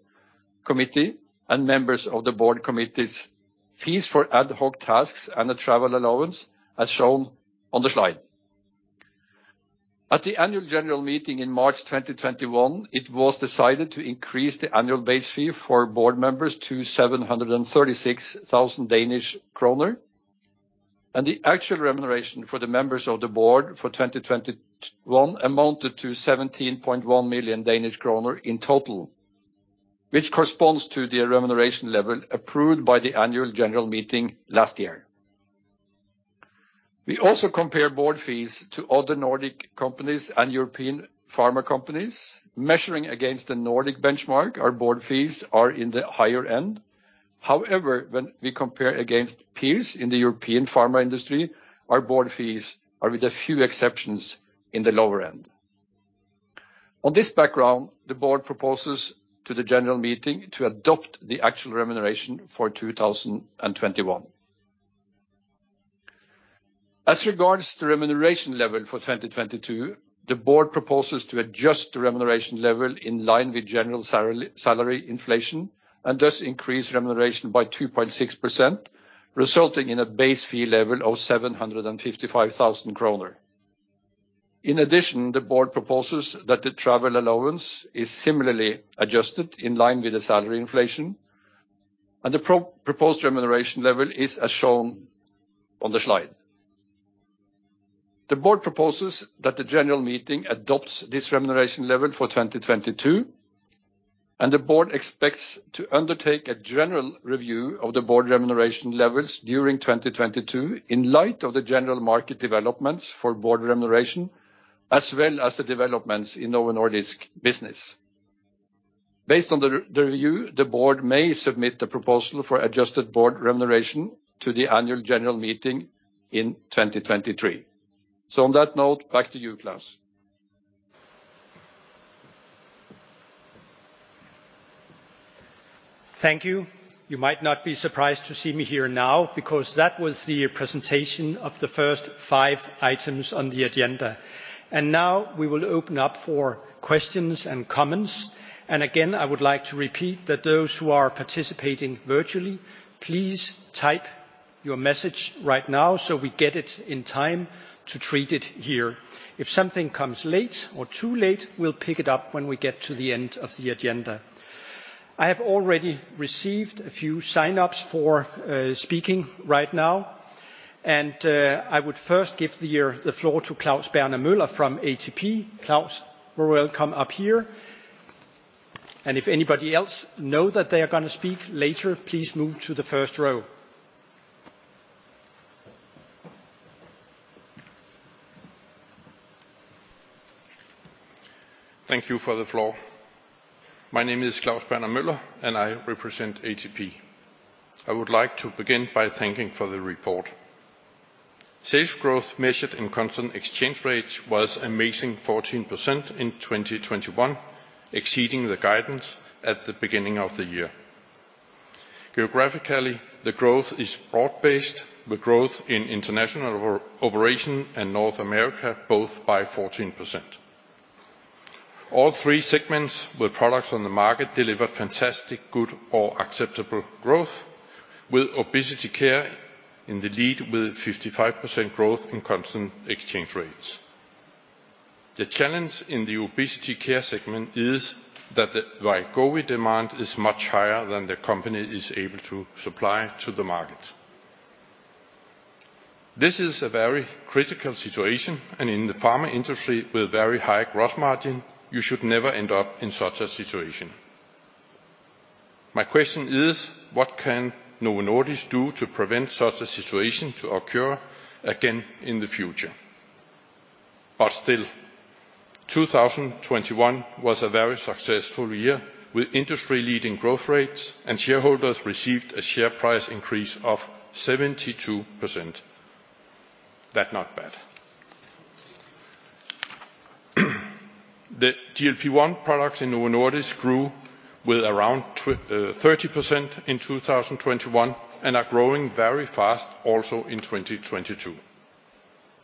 committee, and members of the Board committees, fees for ad hoc tasks, and a travel allowance, as shown on the slide. At the annual general meeting in March 2021, it was decided to increase the annual base fee for board members to 736,000 Danish kroner and the actual remuneration for the members of the board for 2021 amounted to 17.1 million Danish kroner in total, which corresponds to the remuneration level approved by the annual general meeting last year. We also compare board fees to other Nordic companies and European pharma companies. Measuring against the Nordic benchmark, our board fees are in the higher end. However, when we compare against peers in the European pharma industry, our board fees are, with a few exceptions, in the lower end. On this background, the board proposes to the general meeting to adopt the actual remuneration for 2021. As regards the remuneration level for 2022, the board proposes to adjust the remuneration level in line with general salary inflation and thus increase remuneration by 2.6%, resulting in a base fee level of 755,000 kroner. In addition, the board proposes that the travel allowance is similarly adjusted in line with the salary inflation, and the proposed remuneration level is as shown on the slide. The board proposes that the general meeting adopts this remuneration level for 2022, and the board expects to undertake a general review of the board remuneration levels during 2022 in light of the general market developments for board remuneration, as well as the developments in Novo Nordisk business. Based on the review, the board may submit the proposal for adjusted board remuneration to the annual general meeting in 2023. On that note, back to you, Klaus. Thank you. You might not be surprised to see me here now, because that was the presentation of the first five items on the agenda. Now we will open up for questions and comments. Again, I would like to repeat that those who are participating virtually, please type your message right now so we get it in time to treat it here. If something comes late or too late, we'll pick it up when we get to the end of the agenda. I have already received a few sign-ups for speaking right now, and I would first give the floor to Claus Berner Møller from ATP. Claus, you are welcome up here. If anybody else know that they are gonna speak later, please move to the first row. Thank you for the floor. My name is Claus Berner Møller, and I represent ATP. I would like to begin by thanking for the report. Sales growth measured in constant exchange rates was amazing 14% in 2021, exceeding the guidance at the beginning of the year. Geographically, the growth is broad-based, with growth in international operation and North America both by 14%. All three segments with products on the market delivered fantastic, good, or acceptable growth, with Obesity Care in the lead with 55% growth in constant exchange rates. The challenge in the Obesity Care segment is that the Wegovy demand is much higher than the company is able to supply to the market. This is a very critical situation, and in the pharma industry with very high gross margin, you should never end up in such a situation. My question is: what can Novo Nordisk do to prevent such a situation to occur again in the future? Still, 2021 was a very successful year with industry-leading growth rates, and shareholders received a share price increase of 72%. That's not bad. The GLP-1 products in Novo Nordisk grew with around thirty percent in 2021, and are growing very fast also in 2022.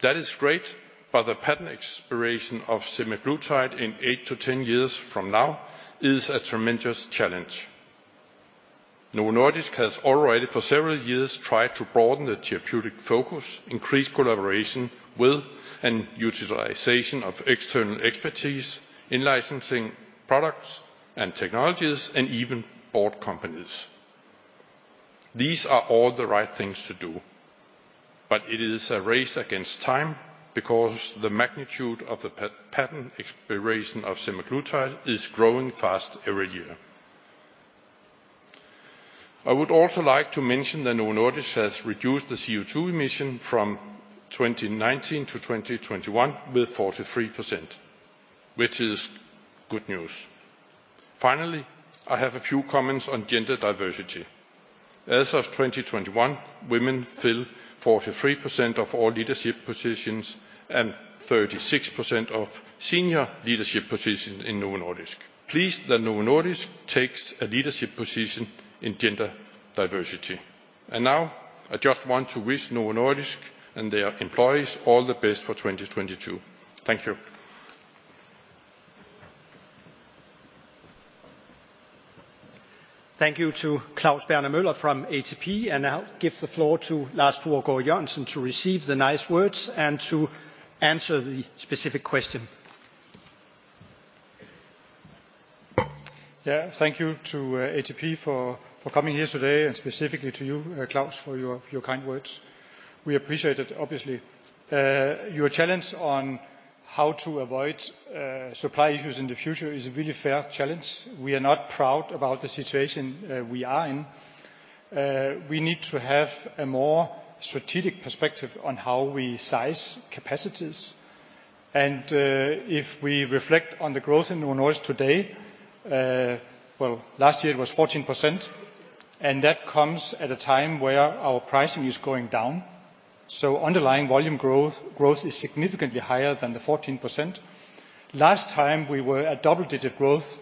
That is great, but the patent expiration of semaglutide in 8-10 years from now is a tremendous challenge. Novo Nordisk has already for several years tried to broaden the therapeutic focus, increase collaboration with, and utilization of external expertise in licensing products and technologies, and even bought companies. These are all the right things to do, but it is a race against time because the magnitude of the patent expiration of semaglutide is growing fast every year. I would also like to mention that Novo Nordisk has reduced the CO2 emission from 2019 to 2021 with 43%, which is good news. Finally, I have a few comments on gender diversity. As of 2021, women fill 43% of all leadership positions and 36% of senior leadership positions in Novo Nordisk. I'm pleased that Novo Nordisk takes a leadership position in gender diversity. Now I just want to wish Novo Nordisk and their employees all the best for 2022. Thank you. Thank you to Claus Berner Møller from ATP. I'll give the floor to Lars Fruergaard Jørgensen to receive the nice words and to answer the specific question. Yeah. Thank you to ATP for coming here today, and specifically to you, Klaus, for your kind words. We appreciate it, obviously. Your challenge on how to avoid supply issues in the future is a really fair challenge. We are not proud about the situation we are in. We need to have a more strategic perspective on how we size capacities. If we reflect on the growth in Novo Nordisk today, well, last year it was 14%, and that comes at a time where our pricing is going down. Underlying volume growth is significantly higher than the 14%. Last time we were at double-digit growth,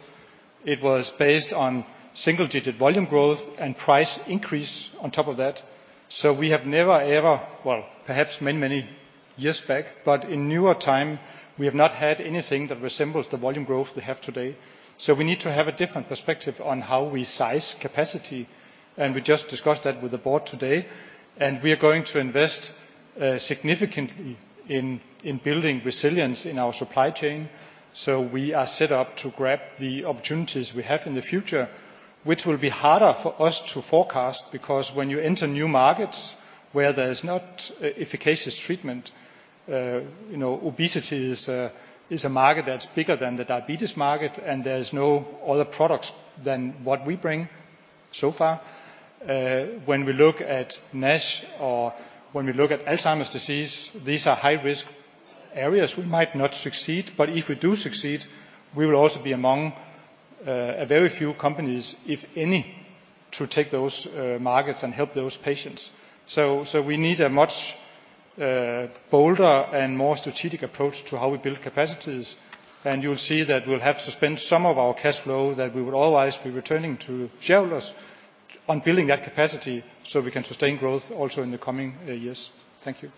it was based on single-digit volume growth and price increase on top of that. We have never, ever, well, perhaps many, many years back, but in newer time, we have not had anything that resembles the volume growth we have today. We need to have a different perspective on how we size capacity, and we just discussed that with the board today. We are going to invest significantly in building resilience in our supply chain so we are set up to grab the opportunities we have in the future, which will be harder for us to forecast, because when you enter new markets where there's not efficacious treatment, you know, obesity is a market that's bigger than the diabetes market, and there's no other products than what we bring so far. When we look at NASH or when we look at Alzheimer's disease, these are high-risk areas. We might not succeed, but if we do succeed, we will also be among a very few companies, if any, to take those markets and help those patients. We need a much bolder and more strategic approach to how we build capacities, and you will see that we'll have to spend some of our cashflow that we would otherwise be returning to shareholders on building that capacity so we can sustain growth also in the coming years. Thank you.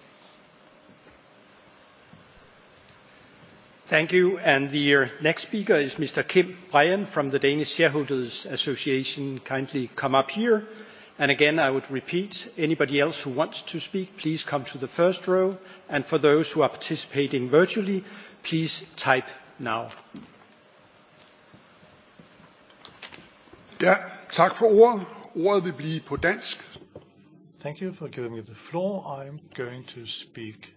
Thank you. The next speaker is Mr. Kim Ræen from the Danish Shareholders' Association. Kindly come up here. Again, I would repeat, anybody else who wants to speak, please come to the first row. For those who are participating virtually, please type now. Yeah. Thank you for giving me the floor. I'm going to speak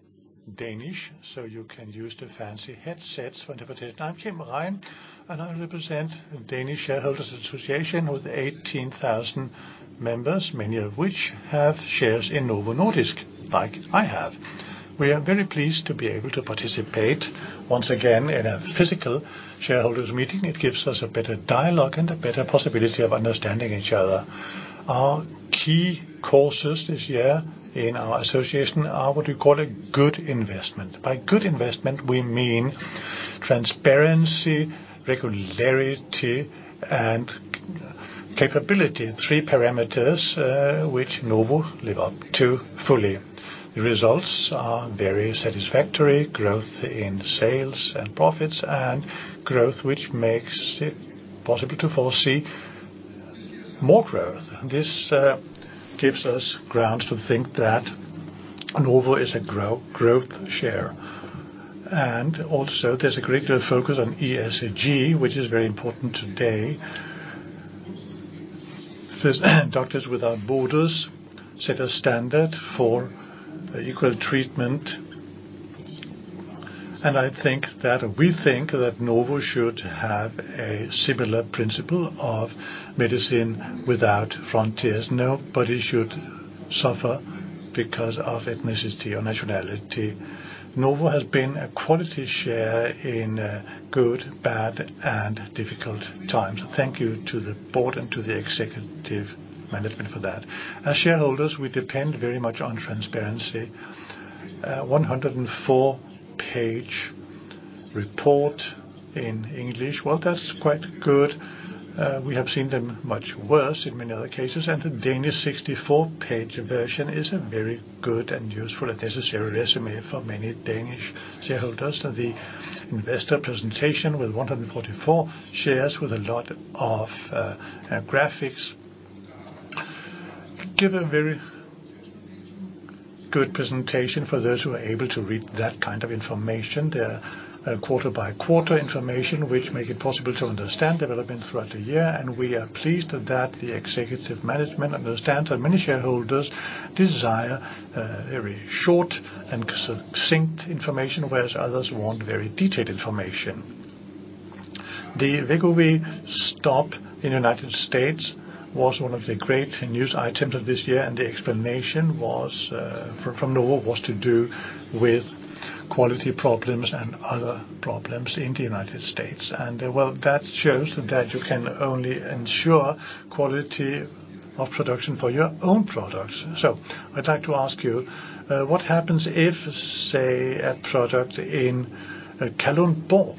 Danish, so you can use the fancy headsets for interpretation. I'm Kim Ræen, and I represent Danish Shareholders' Association with 18,000 members, many of which have shares in Novo Nordisk, like I have. We are very pleased to be able to participate once again in a physical shareholders meeting. It gives us a better dialogue and a better possibility of understanding each other. Our key causes this year in our association are what we call a good investment. By good investment we mean transparency, regularity, and consistency. Three parameters, which Novo live up to fully. The results are very satisfactory. Growth in sales and profits and growth which makes it possible to foresee more growth. This gives us grounds to think that Novo is a growth share. Also there's a greater focus on ESG, which is very important today. First, Doctors Without Borders set a standard for equal treatment, and we think that Novo should have a similar principle of medicine without frontiers. Nobody should suffer because of ethnicity or nationality. Novo has been a quality share in good, bad and difficult times. Thank you to the board and to the executive management for that. As shareholders, we depend very much on transparency. 104-page report in English. Well, that's quite good. We have seen them much worse in many other cases. The Danish 64-page version is a very good and useful and necessary résumé for many Danish shareholders. The investor presentation with 144 shares with a lot of graphics give a very good presentation for those who are able to read that kind of information. There are quarter by quarter information which make it possible to understand development throughout the year, and we are pleased that the executive management understands that many shareholders desire a very short and succinct information, whereas others want very detailed information. The Wegovy stop in United States was one of the great news items of this year, and the explanation was from Novo was to do with quality problems and other problems in the United States. Well, that shows that you can only ensure quality of production for your own products. I'd like to ask you what happens if, say, a product in Kalundborg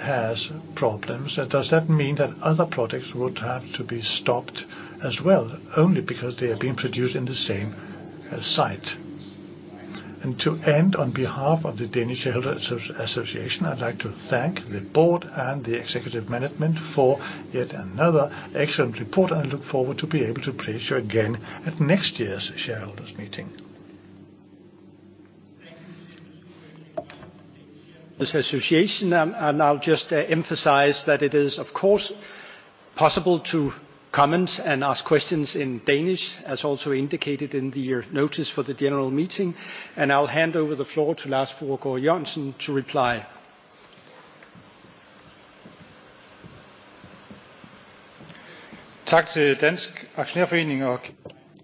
has problems? Does that mean that other products would have to be stopped as well only because they are being produced in the same site? To end, on behalf of the Danish Shareholders' Association, I'd like to thank the Board and the Executive Management for yet another excellent report. I look forward to be able to please you again at next year's shareholders' meeting. Thank you. This association, and I'll just emphasize that it is, of course, possible to comment and ask questions in Danish, as also indicated in the notice for the general meeting. I'll hand over the floor to Lars Fruergaard Jørgensen to reply.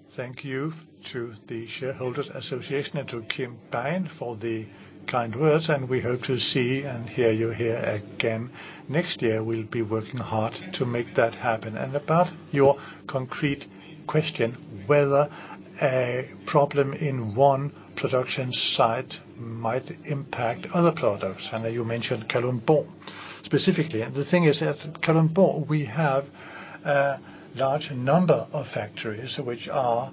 Thank you to the Shareholders Association and to Kim Ræen for the kind words, and we hope to see and hear you here again next year. We'll be working hard to make that happen. About your concrete question, whether a problem in one production site might impact other products, and you mentioned Kalundborg specifically. The thing is, at Kalundborg we have a large number of factories which are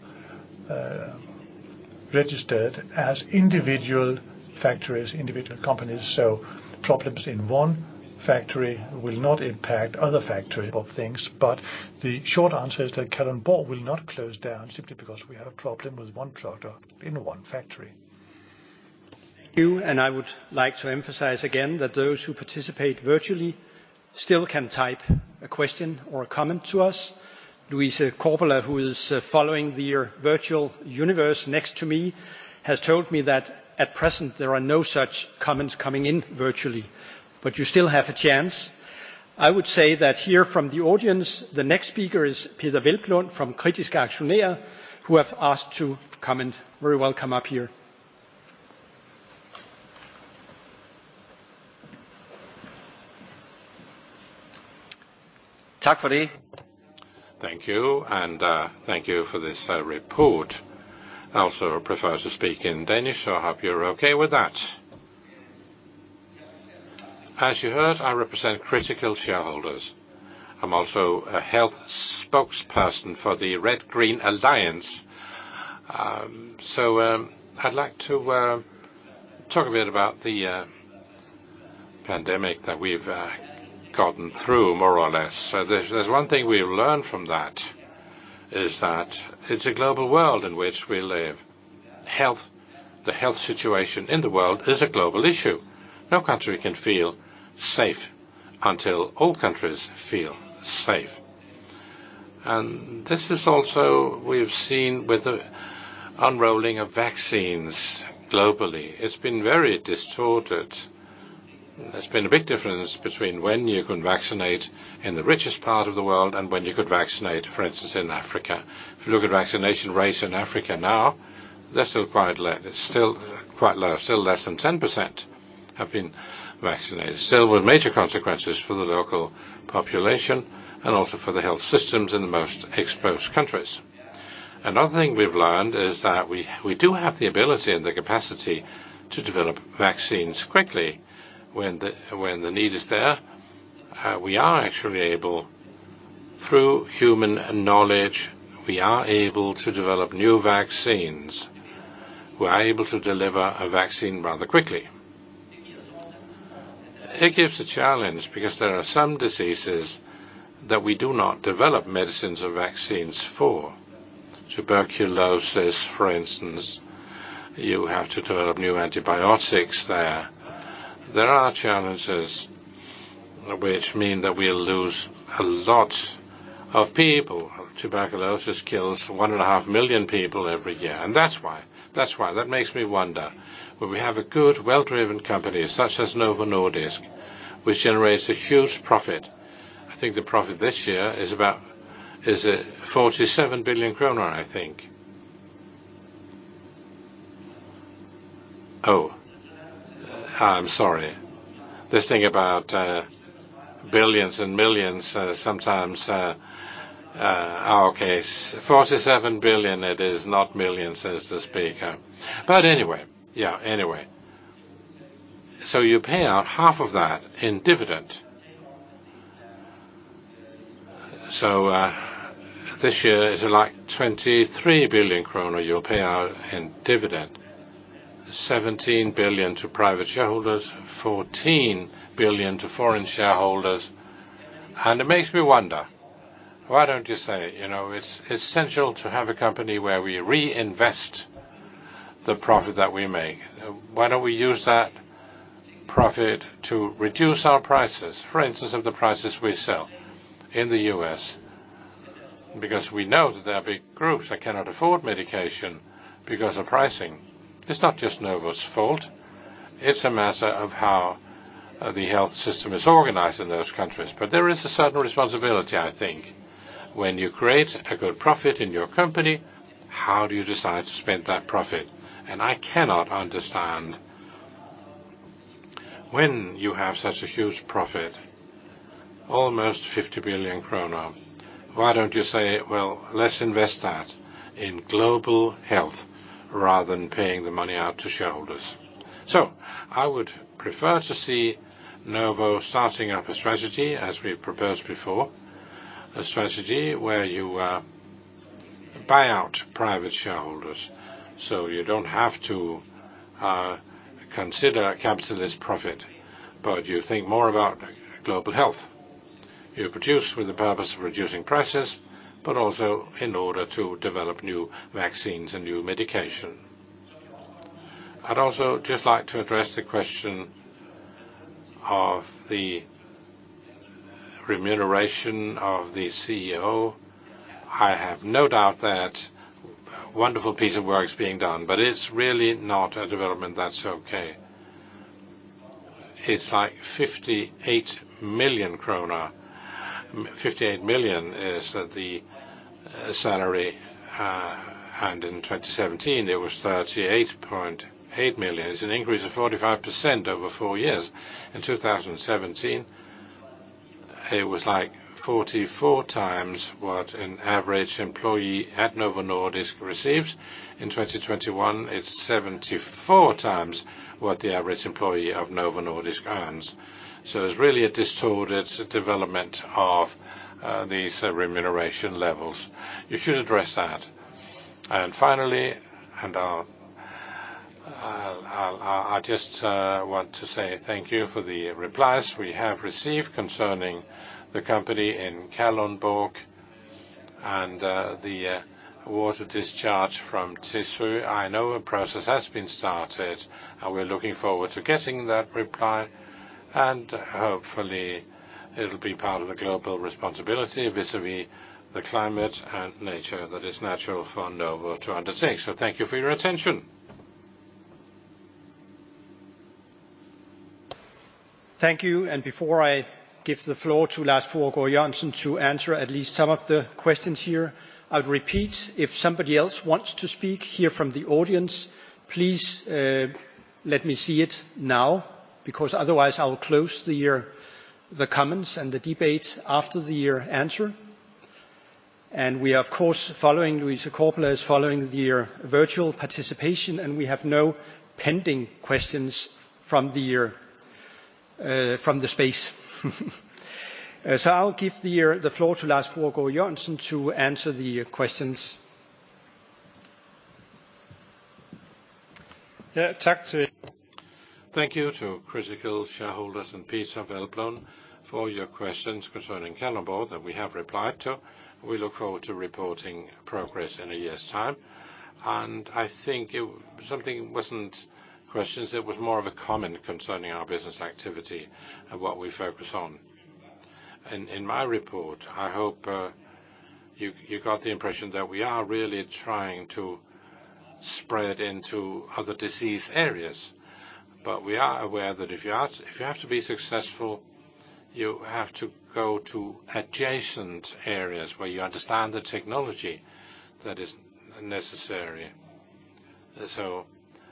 registered as individual factories, individual companies. Problems in one factory will not impact other factories or things. The short answer is that Kalundborg will not close down simply because we have a problem with one product in one factory. Thank you. I would like to emphasize again that those who participate virtually still can type a question or a comment to us. Louise Korpela, who is following the virtual universe next to me, has told me that at present there are no such comments coming in virtually. You still have a chance. I would say that here from the audience, the next speaker is Peder Hvelplund from Kritiske Aktionærer who have asked to comment. Very well, come up here. Thank you. Thank you for this report. I also prefer to speak in Danish, so I hope you're okay with that. As you heard, I represent critical shareholders. I'm also a health spokesperson for the Red-Green Alliance. I'd like to talk a bit about the pandemic that we've gotten through, more or less. There's one thing we learned from that is that it's a global world in which we live. Health. The health situation in the world is a global issue. No country can feel safe until all countries feel safe. This is also what we've seen with the unrolling of vaccines globally. It's been very distorted. There's been a big difference between when you can vaccinate in the richest part of the world and when you could vaccinate, for instance, in Africa. If you look at vaccination rates in Africa now, they're still quite low. Still less than 10% have been vaccinated. Still with major consequences for the local population and also for the health systems in the most exposed countries. We do have the ability and the capacity to develop vaccines quickly when the need is there. We are actually able, through human knowledge, we are able to develop new vaccines. We are able to deliver a vaccine rather quickly. It gives a challenge because there are some diseases that we do not develop medicines or vaccines for. Tuberculosis, for instance, you have to develop new antibiotics there. There are challenges which mean that we'll lose a lot of people. Tuberculosis kills 1.5 million people every year. That's why that makes me wonder, when we have a good well-driven company such as Novo Nordisk, which generates a huge profit. I think the profit this year is about 47 billion kroner, I think. I'm sorry. This thing about billions and millions sometimes. Okay. Forty-seven billion it is, not millions, says the speaker. But anyway, yeah. Anyway. You pay out half of that in dividend. This year it's like 23 billion kroner you'll pay out in dividend. 17 billion to private shareholders, 14 billion to foreign shareholders, and it makes me wonder, why don't you say, you know, it's essential to have a company where we reinvest the profit that we make? Why don't we use that profit to reduce our prices, for instance, of the prices we sell in the U.S., because we know that there are big groups that cannot afford medication because of pricing? It's not just Novo's fault. It's a matter of how, the health system is organized in those countries, but there is a certain responsibility I think. When you create a good profit in your company, how do you decide to spend that profit? I cannot understand, when you have such a huge profit, almost 50 billion kroner, why don't you say, "Well, let's invest that in global health rather than paying the money out to shareholders." I would prefer to see Novo starting up a strategy as we've proposed before, a strategy where you buy out private shareholders, so you don't have to consider a capitalist profit, but you think more about global health. You produce with the purpose of reducing prices, but also in order to develop new vaccines and new medication. I'd also just like to address the question of the remuneration of the CEO. I have no doubt that a wonderful piece of work's being done, but it's really not a development that's okay. It's like 58 million kroner. 58 million is the salary, and in 2017 it was 38.8 million. It's an increase of 45% over 4 years. In 2017, it was like 44 times what an average employee at Novo Nordisk received. In 2021, it's 74 times what the average employee of Novo Nordisk earns. It's really a distorted development of these remuneration levels. You should address that. Finally, I'll just want to say thank you for the replies we have received concerning the company in Kalundborg and the water discharge from Tissø. I know a process has been started, and we're looking forward to getting that reply, and hopefully it'll be part of a global responsibility vis-à-vis the climate and nature that is natural for Novo to undertake. Thank you for your attention. Thank you. Before I give the floor to Lars Fruergaard Jørgensen to answer at least some of the questions here, I would repeat, if somebody else wants to speak here from the audience, please, let me see it now, because otherwise I will close the comments and the debate after the answer. We are of course following. Louise Korpela is following the virtual participation, and we have no pending questions from the space. So I'll give the floor to Lars Fruergaard Jørgensen to answer the questions. Yeah. Thank you to Kritiske Aktionærer and Peder Hvelplund for your questions concerning Kalundborg that we have replied to. We look forward to reporting progress in a year's time. I think it wasn't questions. It was more of a comment concerning our business activity and what we focus on. In my report, I hope you got the impression that we are really trying to spread into other disease areas, but we are aware that if you have to be successful, you have to go to adjacent areas where you understand the technology that is necessary.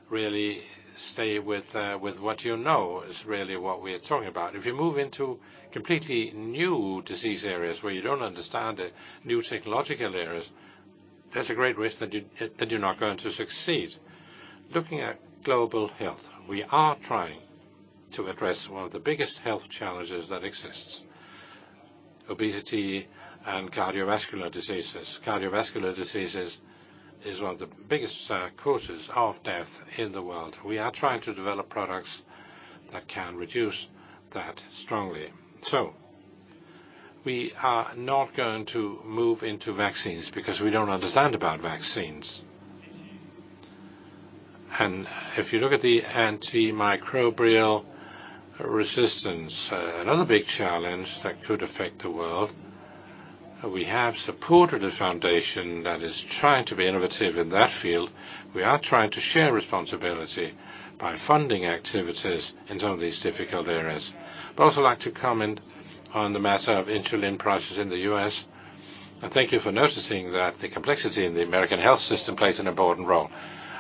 Really stay with what you know is really what we are talking about. If you move into completely new disease areas where you don't understand the new technological areas, there's a great risk that that you're not going to succeed. Looking at global health, we are trying to address one of the biggest health challenges that exists: obesity and cardiovascular diseases. Cardiovascular diseases is one of the biggest causes of death in the world. We are trying to develop products that can reduce that strongly. We are not going to move into vaccines because we don't understand about vaccines. If you look at the antimicrobial resistance, another big challenge that could affect the world, we have supported a foundation that is trying to be innovative in that field. We are trying to share responsibility by funding activities in some of these difficult areas. I'd also like to comment on the matter of insulin prices in the U.S. I thank you for noticing that the complexity in the American health system plays an important role.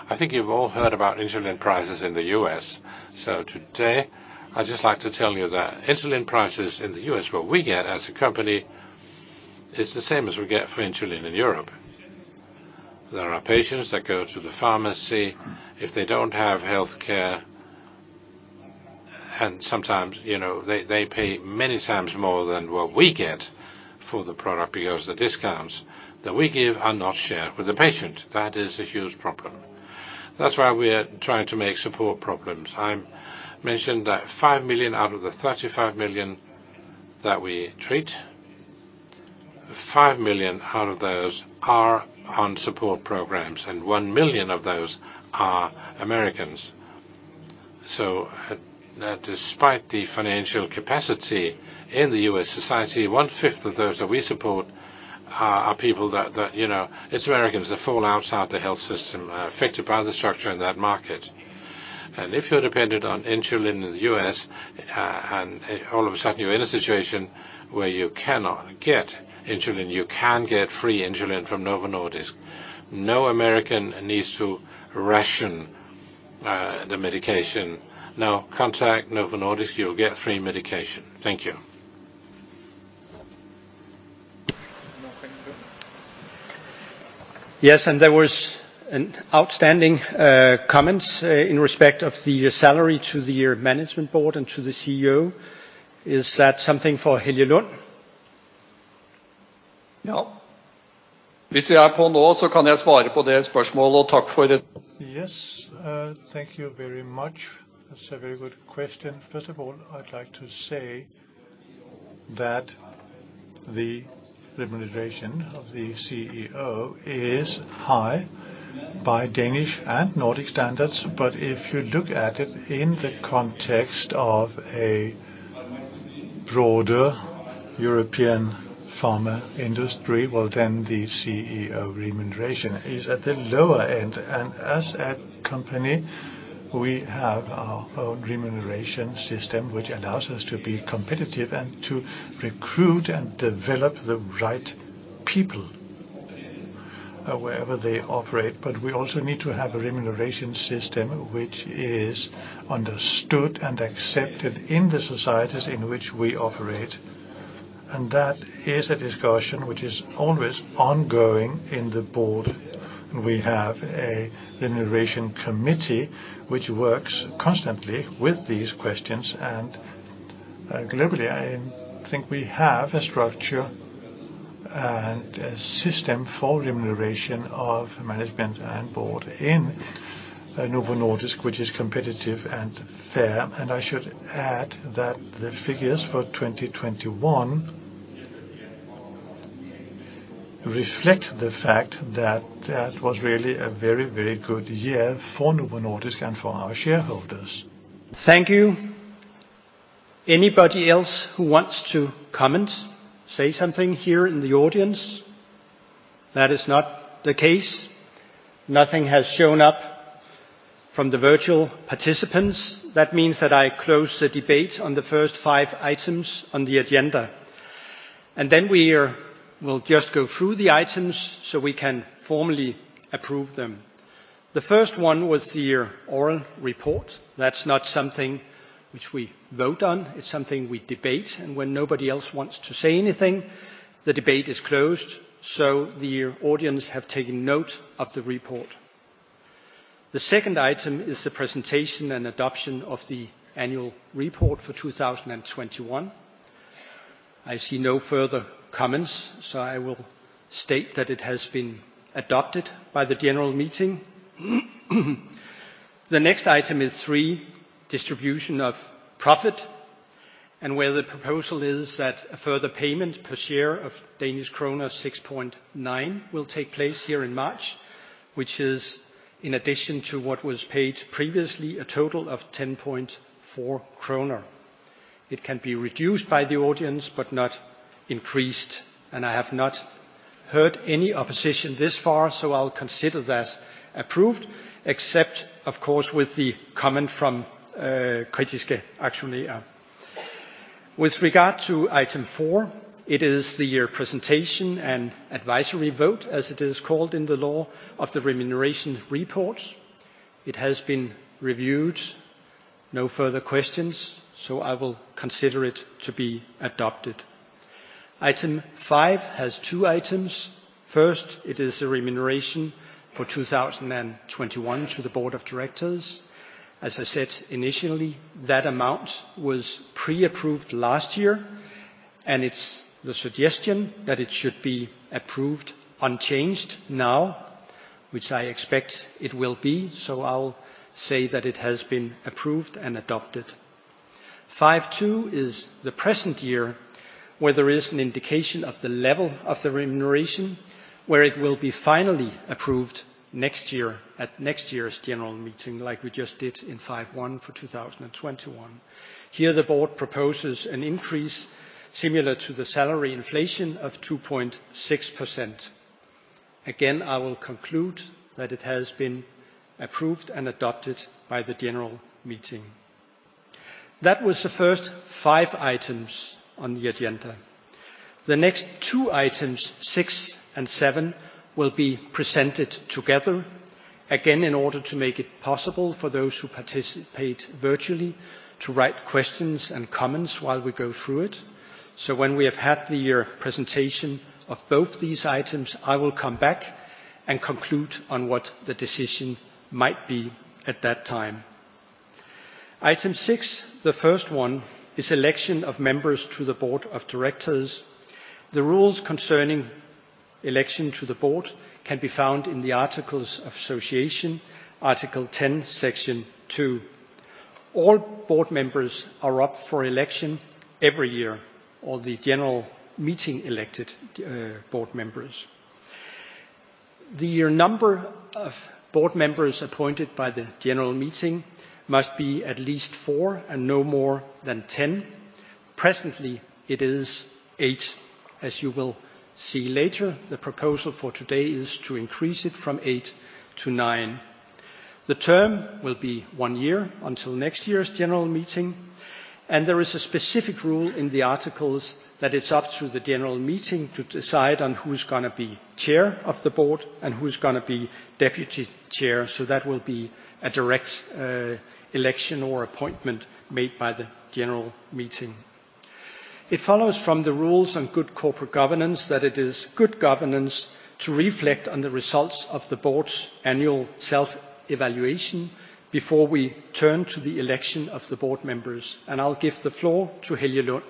I think you've all heard about insulin prices in the U.S. Today I'd just like to tell you that insulin prices in the U.S., what we get as a company, is the same as we get for insulin in Europe. There are patients that go to the pharmacy if they don't have healthcare, and sometimes, you know, they pay many times more than what we get for the product because the discounts that we give are not shared with the patient. That is a huge problem. That's why we are trying to make support programs. I mentioned that 5 million out of the 35 million that we treat, 5 million out of those are on support programs, and 1 million of those are Americans. Despite the financial capacity in the U.S. society, one-fifth of those that we support are people that you know it's Americans that fall outside the health system affected by the structure in that market. If you're dependent on insulin in the U.S. and all of a sudden you're in a situation where you cannot get insulin, you can get free insulin from Novo Nordisk. No American needs to ration the medication. No. Contact Novo Nordisk, you'll get free medication. Thank you. Yes. There was an outstanding comment in respect of the salary to the management board and to the CEO. Is that something for Helge Lund? Yeah. If we are on now, so can I answer that question. Thanks for- Yes, thank you very much. That's a very good question. First of all, I'd like to say that the remuneration of the CEO is high by Danish and Nordic standards. If you look at it in the context of a broader European pharma industry, well then the CEO remuneration is at the lower end. Us as company, we have our own remuneration system, which allows us to be competitive and to recruit and develop the right people, wherever they operate. We also need to have a remuneration system which is understood and accepted in the societies in which we operate, and that is a discussion which is always ongoing in the board. We have a remuneration committee which works constantly with these questions. Globally, I think we have a structure and a system for remuneration of management and board in Novo Nordisk, which is competitive and fair. I should add that the figures for 2021 reflect the fact that was really a very, very good year for Novo Nordisk and for our shareholders. Thank you. Anybody else who wants to comment, say something here in the audience? That is not the case. Nothing has shown up from the virtual participants. That means that I close the debate on the first 5 items on the agenda. Then we'll just go through the items so we can formally approve them. The first one was your oral report. That's not something which we vote on, it's something we debate. When nobody else wants to say anything, the debate is closed. The audience have taken note of the report. The second item is the presentation and adoption of the annual report for 2021. I see no further comments, so I will state that it has been adopted by the general meeting. The next item is 3, distribution of profit. Where the proposal is that a further payment per share of Danish kroner 6.9 will take place here in March, which is in addition to what was paid previously, a total of 10.4 kroner. It can be reduced by the audience, but not increased. I have not heard any opposition this far. I'll consider that approved, except of course with the comment from Kritiske Aktionærer. With regard to item four, it is the year presentation and advisory vote, as it is called in the law of the remuneration report. It has been reviewed. No further questions, so I will consider it to be adopted. Item five has two items. First, it is a remuneration for 2021 to the board of directors. As I said initially, that amount was pre-approved last year, and it's the suggestion that it should be approved unchanged now, which I expect it will be. I'll say that it has been approved and adopted. 5.2 is the present year, where there is an indication of the level of the remuneration, where it will be finally approved next year at next year's general meeting, like we just did in 5.1 for 2021. Here, the board proposes an increase similar to the salary inflation of 2.6%. Again, I will conclude that it has been approved and adopted by the general meeting. That was the first 5 items on the agenda. The next two items, 6 and 7, will be presented together again in order to make it possible for those who participate virtually to write questions and comments while we go through it. When we have had the year presentation of both these items, I will come back and conclude on what the decision might be at that time. Item 6, the first one, is election of members to the Board of Directors. The rules concerning election to the Board can be found in the Articles of Association, Article 10, Section 2. All Board members are up for election every year by the general meeting. The number of Board members appointed by the general meeting must be at least 4 and no more than 10. Presently, it is 8. As you will see later, the proposal for today is to increase it from 8 to 9. The term will be one year until next year's general meeting, and there is a specific rule in the articles that it's up to the general meeting to decide on who's gonna be chair of the board and who's gonna be deputy chair. That will be a direct election or appointment made by the general meeting. It follows from the rules on good corporate governance that it is good governance to reflect on the results of the board's annual self-evaluation before we turn to the election of the board members, and I'll give the floor to Helge Lund.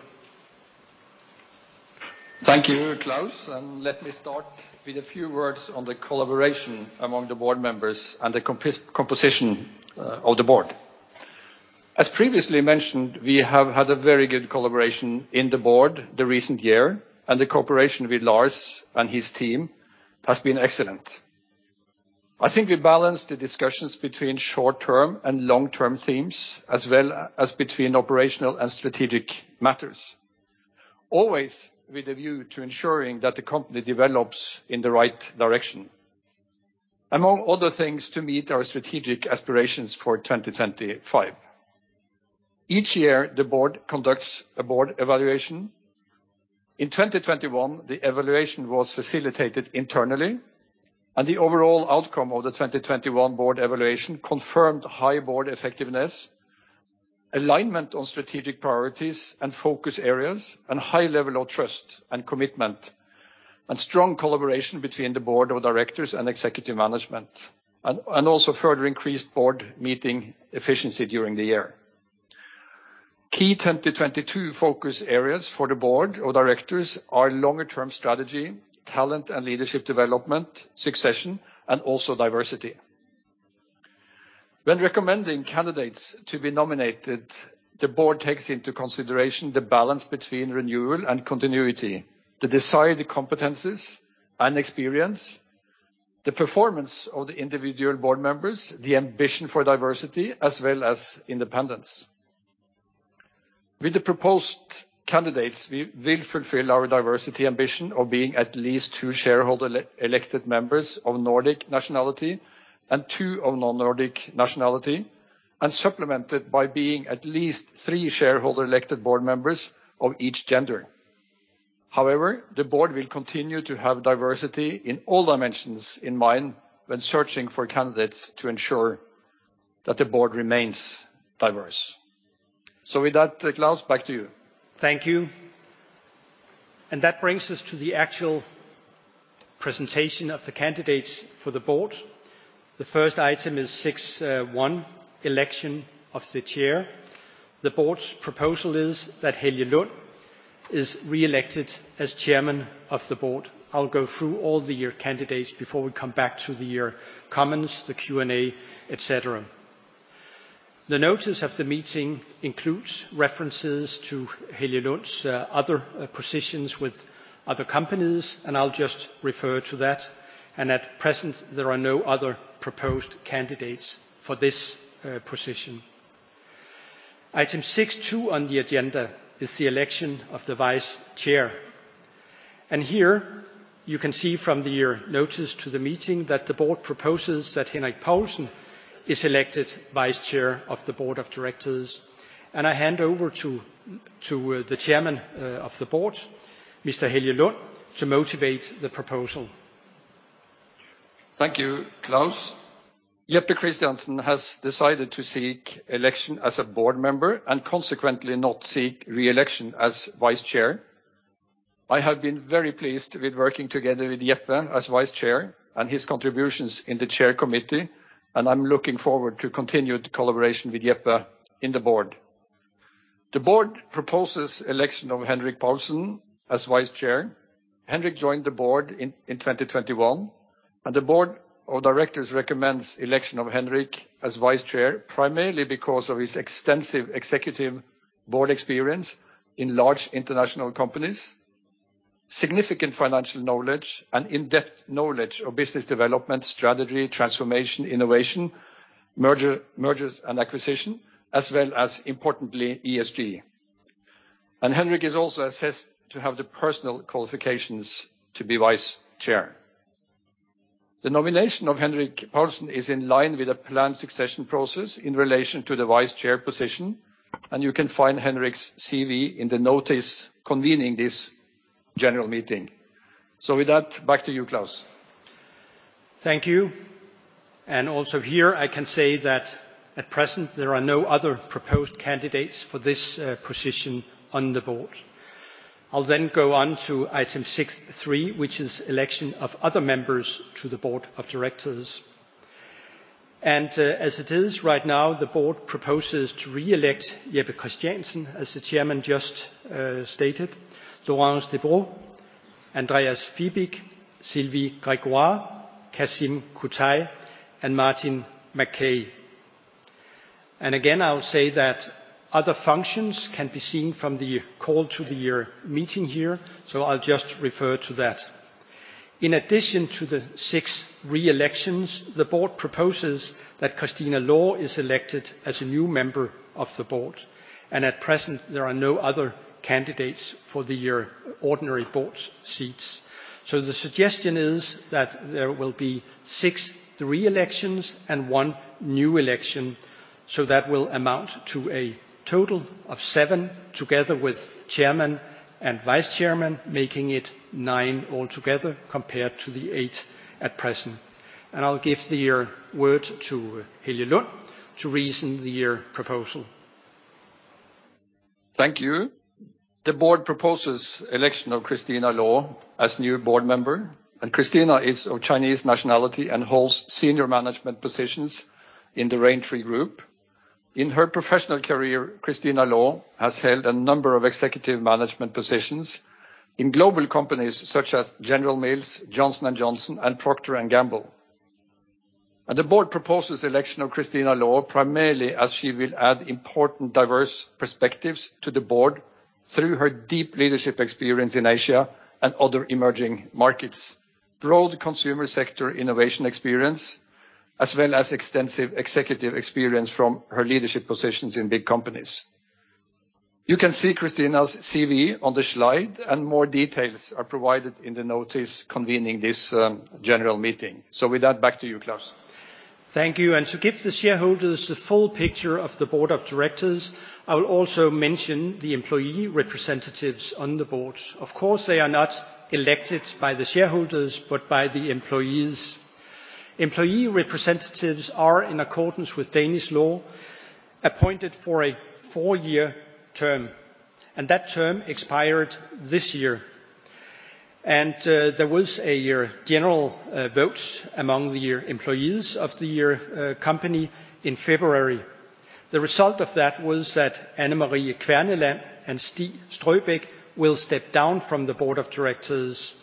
Thank you, Klaus, and let me start with a few words on the collaboration among the board members and the composition of the board. As previously mentioned, we have had a very good collaboration in the board the recent year, and the cooperation with Lars and his team has been excellent. I think we balance the discussions between short-term and long-term themes, as well as between operational and strategic matters, always with a view to ensuring that the company develops in the right direction, among other things to meet our strategic aspirations for 2025. Each year, the board conducts a board evaluation. In 2021, the evaluation was facilitated internally, and the overall outcome of the 2021 board evaluation confirmed high board effectiveness, alignment on strategic priorities and focus areas, and high level of trust and commitment, and strong collaboration between the board of directors and executive management, and also further increased board meeting efficiency during the year. Key 2022 focus areas for the board of directors are longer term strategy, talent and leadership development, succession, and also diversity. When recommending candidates to be nominated, the board takes into consideration the balance between renewal and continuity, the desired competencies and experience, the performance of the individual board members, the ambition for diversity as well as independence. With the proposed candidates, we will fulfill our diversity ambition of being at least two shareholder elected members of Nordic nationality and two of non-Nordic nationality, and supplemented by being at least three shareholder elected board members of each gender. However, the board will continue to have diversity in all dimensions in mind when searching for candidates to ensure that the board remains diverse. With that, Klaus, back to you. Thank you. That brings us to the actual presentation of the candidates for the board. The first item is 6.1, election of the chair. The board's proposal is that Helge Lund is reelected as Chairman of the board. I'll go through all the candidates before we come back to the comments, the Q&A, et cetera. The notice of the meeting includes references to Helge Lund's other positions with other companies, and I'll just refer to that. At present, there are no other proposed candidates for this position. Item 6.2 on the agenda is the election of the vice chair. Here you can see from the notice to the meeting that the board proposes that Henrik Poulsen is elected Vice Chair of the Board of Directors. I hand over to the Chairman of the board, Mr. Helge Lund, to motivate the proposal. Thank you, Klaus. Jeppe Christiansen has decided to seek election as a board member and consequently not seek reelection as vice chair. I have been very pleased with working together with Jeppe as vice chair and his contributions in the chair committee, and I'm looking forward to continued collaboration with Jeppe in the board. The board proposes election of Henrik Poulsen as vice chair. Henrik joined the board in 2021, and the board of directors recommends election of Henrik as vice chair, primarily because of his extensive executive board experience in large international companies, significant financial knowledge and in-depth knowledge of business development, strategy, transformation, innovation, mergers and acquisitions, as well as importantly, ESG. Henrik is also assessed to have the personal qualifications to be vice chair. The nomination of Henrik Poulsen is in line with a planned succession process in relation to the Vice Chair position, and you can find Henrik's CV in the notice convening this general meeting. With that, back to you, Klaus. Thank you. Also here, I can say that at present, there are no other proposed candidates for this position on the board. I'll then go on to item 6.3, which is election of other members to the board of directors. As it is right now, the board proposes to reelect Jeppe Christiansen, as the chairman just stated, Laurence Debroux, Andreas Fibig, Sylvie Grégoire, Kasim Kutay, and Martin Mackay. Again, I will say that other functions can be seen from the call to the year meeting here, so I'll just refer to that. In addition to the six reelections, the board proposes that Christina Law is elected as a new member of the board. At present, there are no other candidates for the year ordinary board seats. The suggestion is that there will be six reelections and one new election, so that will amount to a total of seven together with chairman and vice chairman, making it nine altogether compared to the eight at present. I'll give the floor to Helge Lund to reason the proposal. Thank you. The board proposes election of Christina Law as new board member. Christina is of Chinese nationality and holds senior management positions in the Raintree Group. In her professional career, Christina Law has held a number of executive management positions in global companies such as General Mills, Johnson & Johnson, and Procter & Gamble. The board proposes election of Christina Law primarily as she will add important diverse perspectives to the board through her deep leadership experience in Asia and other emerging markets, broad consumer sector innovation experience, as well as extensive executive experience from her leadership positions in big companies. You can see Christina's CV on the slide, and more details are provided in the notice convening this general meeting. With that, back to you, Klaus. Thank you. To give the shareholders the full picture of the board of directors, I will also mention the employee representatives on the board. Of course, they are not elected by the shareholders, but by the employees. Employee representatives are, in accordance with Danish law, appointed for a four-year term, and that term expired this year. There was a vote among the employees of the company in February. The result of that was that Anne Marie Kverneland and Stig Strøbæk will step down from the board of directors,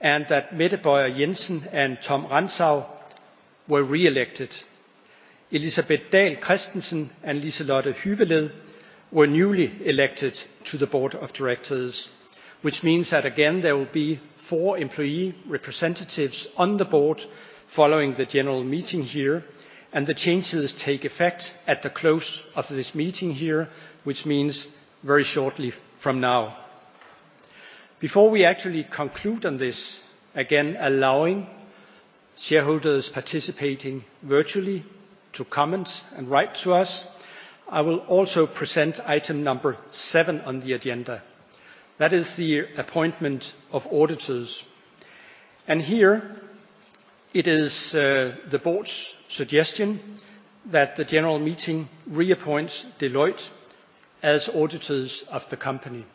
and that Mette Bøjer Jensen and Thomas Rantzau were reelected. Elisabeth Dahl Christensen and Liselotte Hyveled were newly elected to the board of directors, which means that again, there will be four employee representatives on the board following the general meeting here, and the changes take effect at the close of this meeting here, which means very shortly from now. Before we actually conclude on this, again, allowing shareholders participating virtually to comment and write to us, I will also present item number 7 on the agenda. That is the appointment of auditors. Here it is, the board's suggestion that the general meeting reappoints Deloitte as auditors of the company.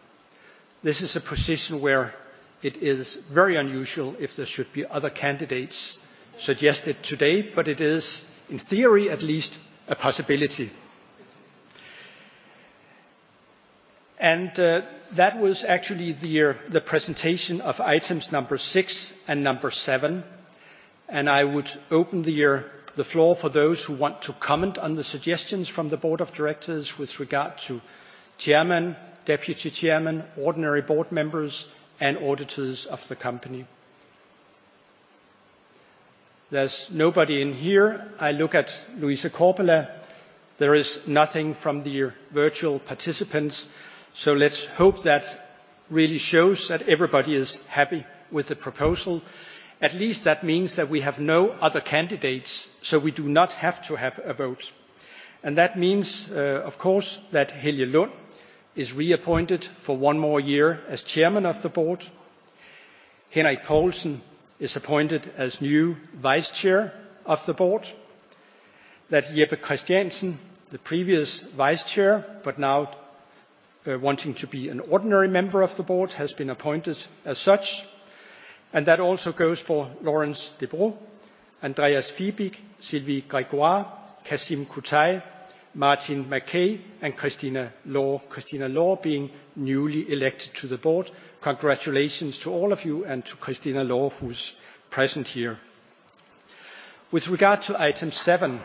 This is a position where it is very unusual if there should be other candidates suggested today, but it is, in theory, at least a possibility. That was actually the presentation of items number six and number seven, and I would open the floor for those who want to comment on the suggestions from the board of directors with regard to chairman, deputy chairman, ordinary board members, and auditors of the company. There's nobody in here. I look at Louise Korpela. There is nothing from the virtual participants, so let's hope that really shows that everybody is happy with the proposal. At least that means that we have no other candidates, so we do not have to have a vote. That means, of course, that Helge Lund is reappointed for one more year as Chairman of the Board. Henrik Poulsen is appointed as new Vice Chair of the Board. That Jeppe Christiansen, the previous Vice Chair, but now wanting to be an ordinary member of the Board, has been appointed as such, and that also goes for Laurence Debroux, Andreas Fibig, Sylvie Grégoire, Kasim Kutay, Martin Mackay, and Christina Law. Christina Law being newly elected to the Board. Congratulations to all of you and to Christina Law who's present here. With regard to item seven,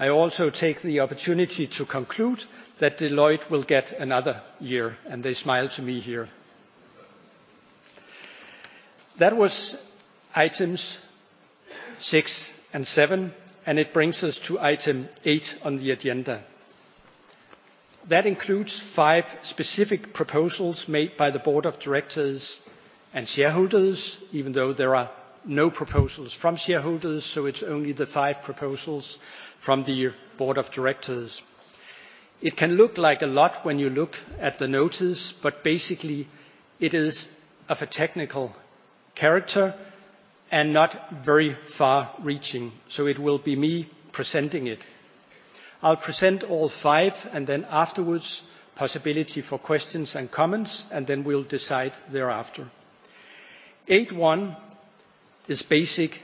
I also take the opportunity to conclude that Deloitte will get another year, and they smile to me here. That was items six and seven, and it brings us to item eight on the agenda. That includes five specific proposals made by the Board of Directors and shareholders, even though there are no proposals from shareholders, so it's only the five proposals from the Board of Directors. It can look like a lot when you look at the notices, but basically it is of a technical character and not very far-reaching, so it will be me presenting it. I'll present all 5 and then afterwards, possibility for questions and comments, and then we'll decide thereafter. 8.1 is basic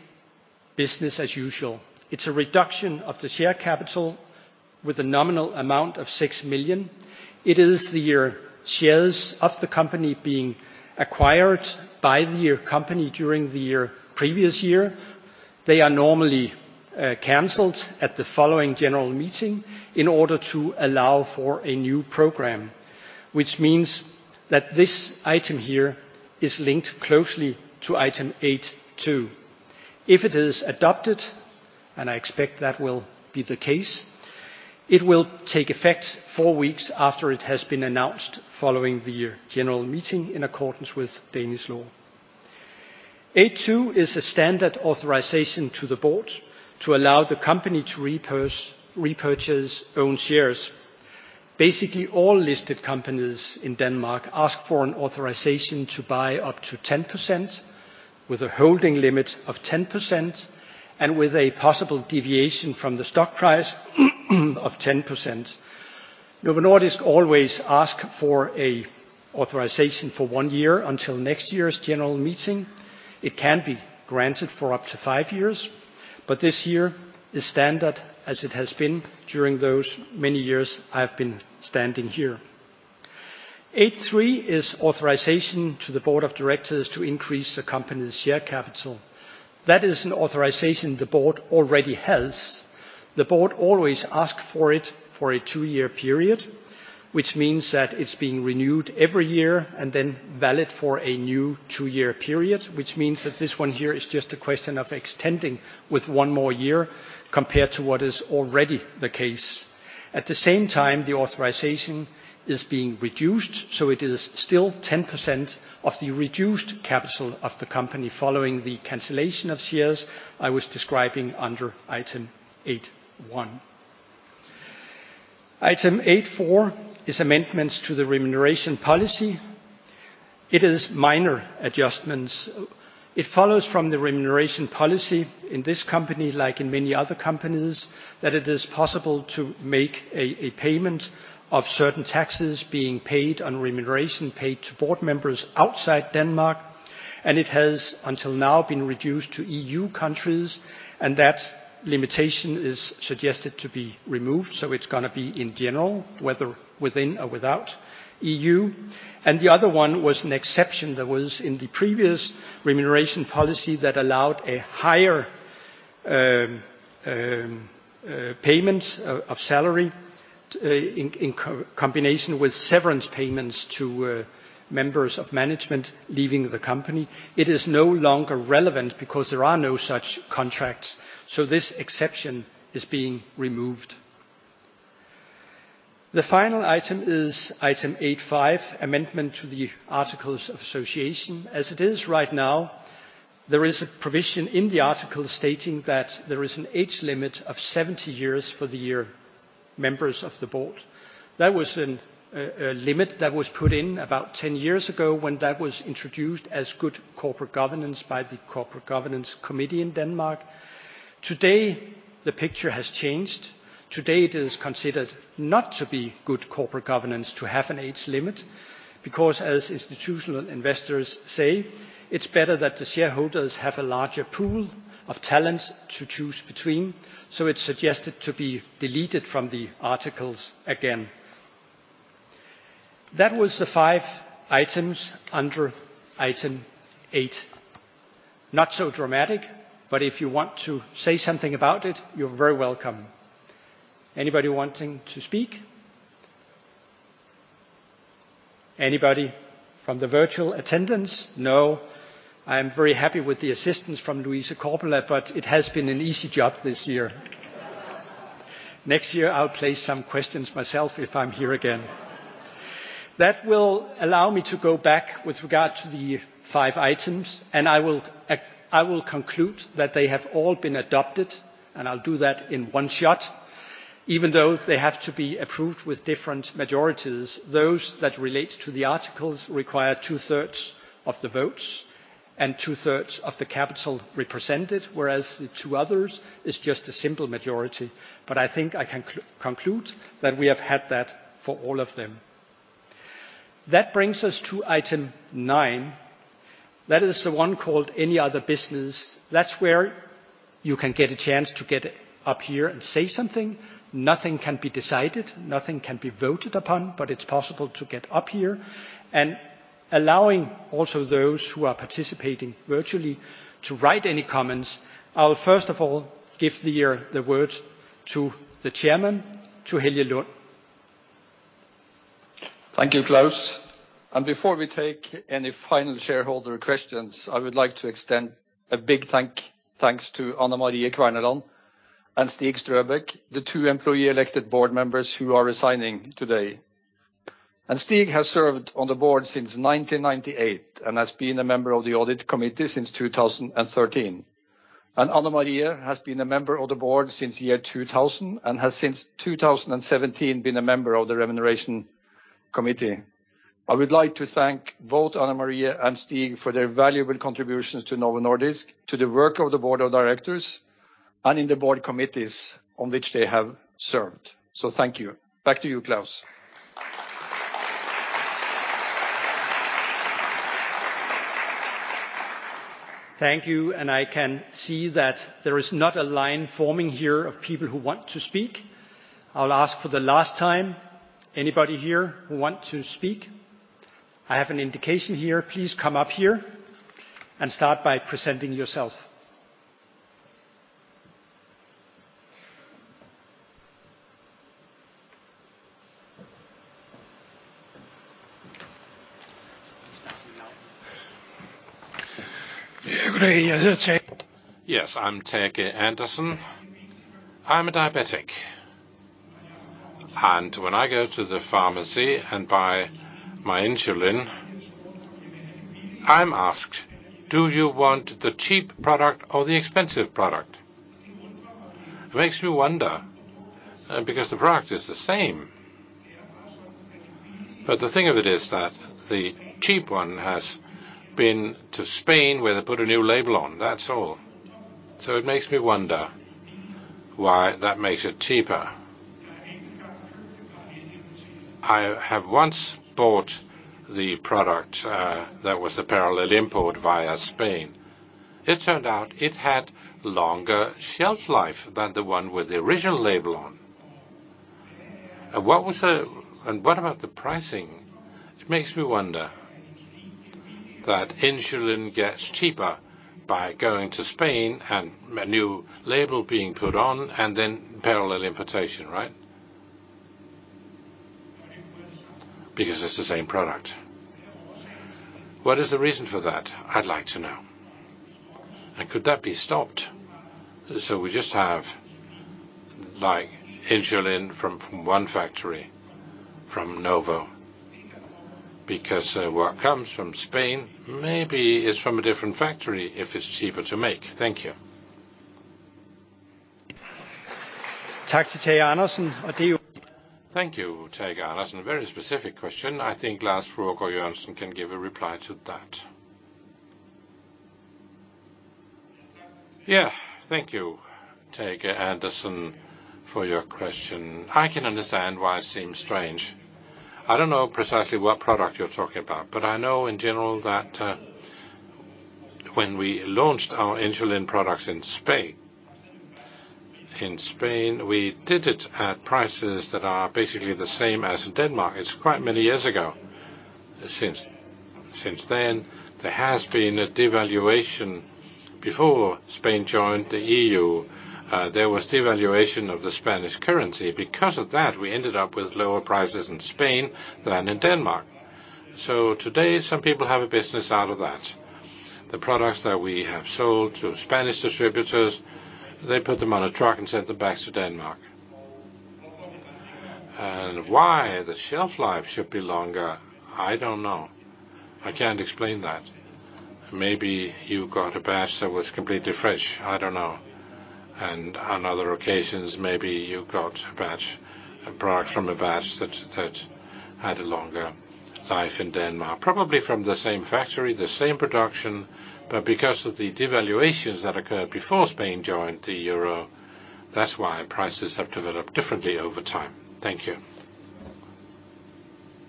business as usual. It's a reduction of the share capital with a nominal amount of 6 million. It is the shares of the company being acquired by the company during the previous year. They are normally canceled at the following general meeting in order to allow for a new program, which means that this item here is linked closely to item 8.2. If it is adopted, and I expect that will be the case, it will take effect 4 weeks after it has been announced following the general meeting in accordance with Danish law. 8.2 is a standard authorization to the board to allow the company to repurchase own shares. Basically all listed companies in Denmark ask for an authorization to buy up to 10% with a holding limit of 10% and with a possible deviation from the stock price of 10%. Novo Nordisk always ask for a authorization for one year until next year's general meeting. It can be granted for up to five years, but this year is standard as it has been during those many years I have been standing here. 8.3 is authorization to the board of directors to increase the company's share capital. That is an authorization the board already has. The board always ask for it for a two-year period, which means that it's being renewed every year and then valid for a new two-year period, which means that this one here is just a question of extending with one more year compared to what is already the case. At the same time, the authorization is being reduced, so it is still 10% of the reduced capital of the company following the cancellation of shares I was describing under item 8.1. Item 8.4 is amendments to the remuneration policy. It is minor adjustments. It follows from the remuneration policy in this company like in many other companies, that it is possible to make a payment of certain taxes being paid on remuneration paid to board members outside Denmark, and it has until now been reduced to EU countries, and that limitation is suggested to be removed. It's gonna be in general, whether within or without EU. The other one was an exception that was in the previous remuneration policy that allowed a higher payment of salary in combination with severance payments to members of management leaving the company. It is no longer relevant because there are no such contracts, so this exception is being removed. The final item is item 8.5, amendment to the articles of association. As it is right now, there is a provision in the article stating that there is an age limit of 70 years for Board members. That was a limit that was put in about 10 years ago when that was introduced as good corporate governance by the Corporate Governance Committee in Denmark. Today, the picture has changed. Today, it is considered not to be good corporate governance to have an age limit because, as institutional investors say, it's better that the shareholders have a larger pool of talent to choose between, so it's suggested to be deleted from the articles again. That was the five items under item eight. Not so dramatic, but if you want to say something about it, you're very welcome. Anybody wanting to speak? Anybody from the virtual attendance? No. I'm very happy with the assistance from Louise Korpela, but it has been an easy job this year. Next year, I'll place some questions myself if I'm here again. That will allow me to go back with regard to the five items, and I will conclude that they have all been adopted, and I'll do that in one shot, even though they have to be approved with different majorities. Those that relates to the articles require two-thirds of the votes and two-thirds of the capital represented, whereas the two others is just a simple majority. I think I can conclude that we have had that for all of them. That brings us to item nine. That is the one called "Any other business". That's where you can get a chance to get up here and say something. Nothing can be decided. Nothing can be voted upon. It's possible to get up here and allowing also those who are participating virtually to write any comments. I'll first of all give the word to the chairman, to Helge Lund. Thank you, Klaus. Before we take any final shareholder questions, I would like to extend a big thanks to Anne Marie Kverneland and Stig Strøbæk, the two employee-elected Board members who are resigning today. Stig has served on the Board since 1998, and has been a member of the Audit Committee since 2013. Anne Marie has been a member of the Board since year 2000, and has since 2017 been a member of the Remuneration Committee. I would like to thank both Anne Marie and Stig for their valuable contributions to Novo Nordisk, to the work of the Board of Directors and in the Board committees on which they have served. Thank you. Back to you, Klaus. Thank you. I can see that there is not a line forming here of people who want to speak. I'll ask for the last time, anybody here who want to speak? I have an indication here. Please come up here and start by presenting yourself. Yes, I'm Tage Andersen. I'm a diabetic. When I go to the pharmacy and buy my insulin, I'm asked, "Do you want the cheap product or the expensive product?" It makes me wonder because the product is the same. The thing of it is that the cheap one has been to Spain where they put a new label on, that's all. It makes me wonder why that makes it cheaper. I have once bought the product that was a parallel import via Spain. It turned out it had longer shelf life than the one with the original label on. What about the pricing? It makes me wonder that insulin gets cheaper by going to Spain and a new label being put on and then parallel importation, right? Because it's the same product. What is the reason for that? I'd like to know. Could that be stopped so we just have, like, insulin from one factory, from Novo? Because what comes from Spain maybe is from a different factory if it's cheaper to make. Thank you. Thank you, Tage Andersen. A very specific question. I think Lars Fruergaard Jørgensen can give a reply to that. Yeah. Thank you, Tage Andersen, for your question. I can understand why it seems strange. I don't know precisely what product you're talking about, but I know in general that when we launched our insulin products in Spain, we did it at prices that are basically the same as in Denmark. It's quite many years ago. Since then, there has been a devaluation. Before Spain joined the EU, there was devaluation of the Spanish currency. Because of that, we ended up with lower prices in Spain than in Denmark. Today, some people have a business out of that. The products that we have sold to Spanish distributors, they put them on a truck and send them back to Denmark. Why the shelf life should be longer, I don't know. I can't explain that. Maybe you got a batch that was completely fresh. I don't know. On other occasions, maybe you got a batch, a product from a batch that had a longer life in Denmark. Probably from the same factory, the same production, but because of the devaluations that occurred before Spain joined the Euro, that's why prices have developed differently over time. Thank you.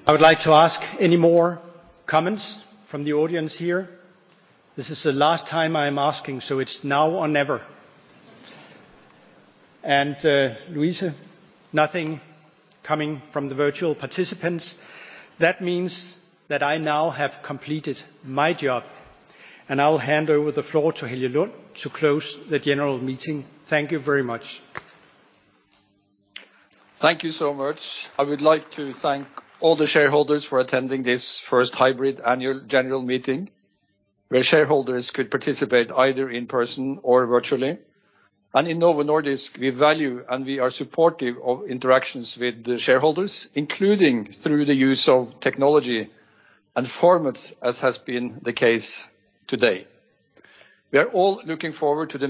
I would like to ask any more comments from the audience here. This is the last time I'm asking, so it's now or never. Louise Korpela, nothing coming from the virtual participants. That means that I now have completed my job, and I'll hand over the floor to Helge Lund to close the general meeting. Thank you very much. Thank you so much. I would like to thank all the shareholders for attending this first hybrid annual general meeting, where shareholders could participate either in person or virtually. In Novo Nordisk, we value and we are supportive of interactions with the shareholders, including through the use of technology and formats as has been the case today. We are all looking forward to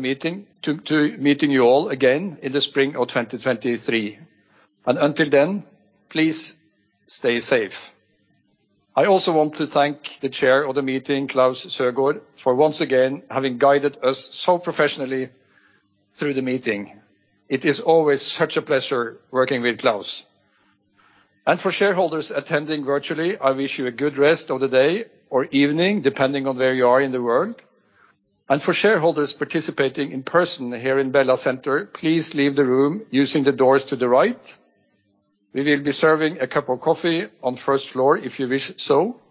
meeting you all again in the spring of 2023. Until then, please stay safe. I also want to thank the Chair of the meeting, Klaus Søgaard, for once again having guided us so professionally through the meeting. It is always such a pleasure working with Klaus. For shareholders attending virtually, I wish you a good rest of the day or evening, depending on where you are in the world. For shareholders participating in person here in Bella Center, please leave the room using the doors to the right. We will be serving a cup of coffee on first floor if you wish so.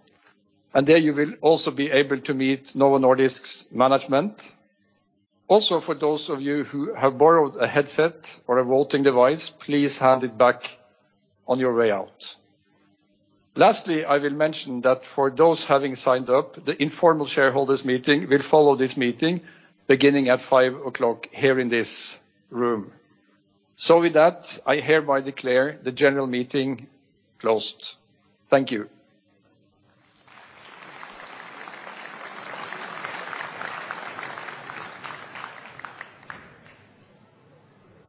There you will also be able to meet Novo Nordisk's management. Also, for those of you who have borrowed a headset or a voting device, please hand it back on your way out. Lastly, I will mention that for those having signed up, the informal shareholders meeting will follow this meeting beginning at five o'clock here in this room. With that, I hereby declare the general meeting closed. Thank you.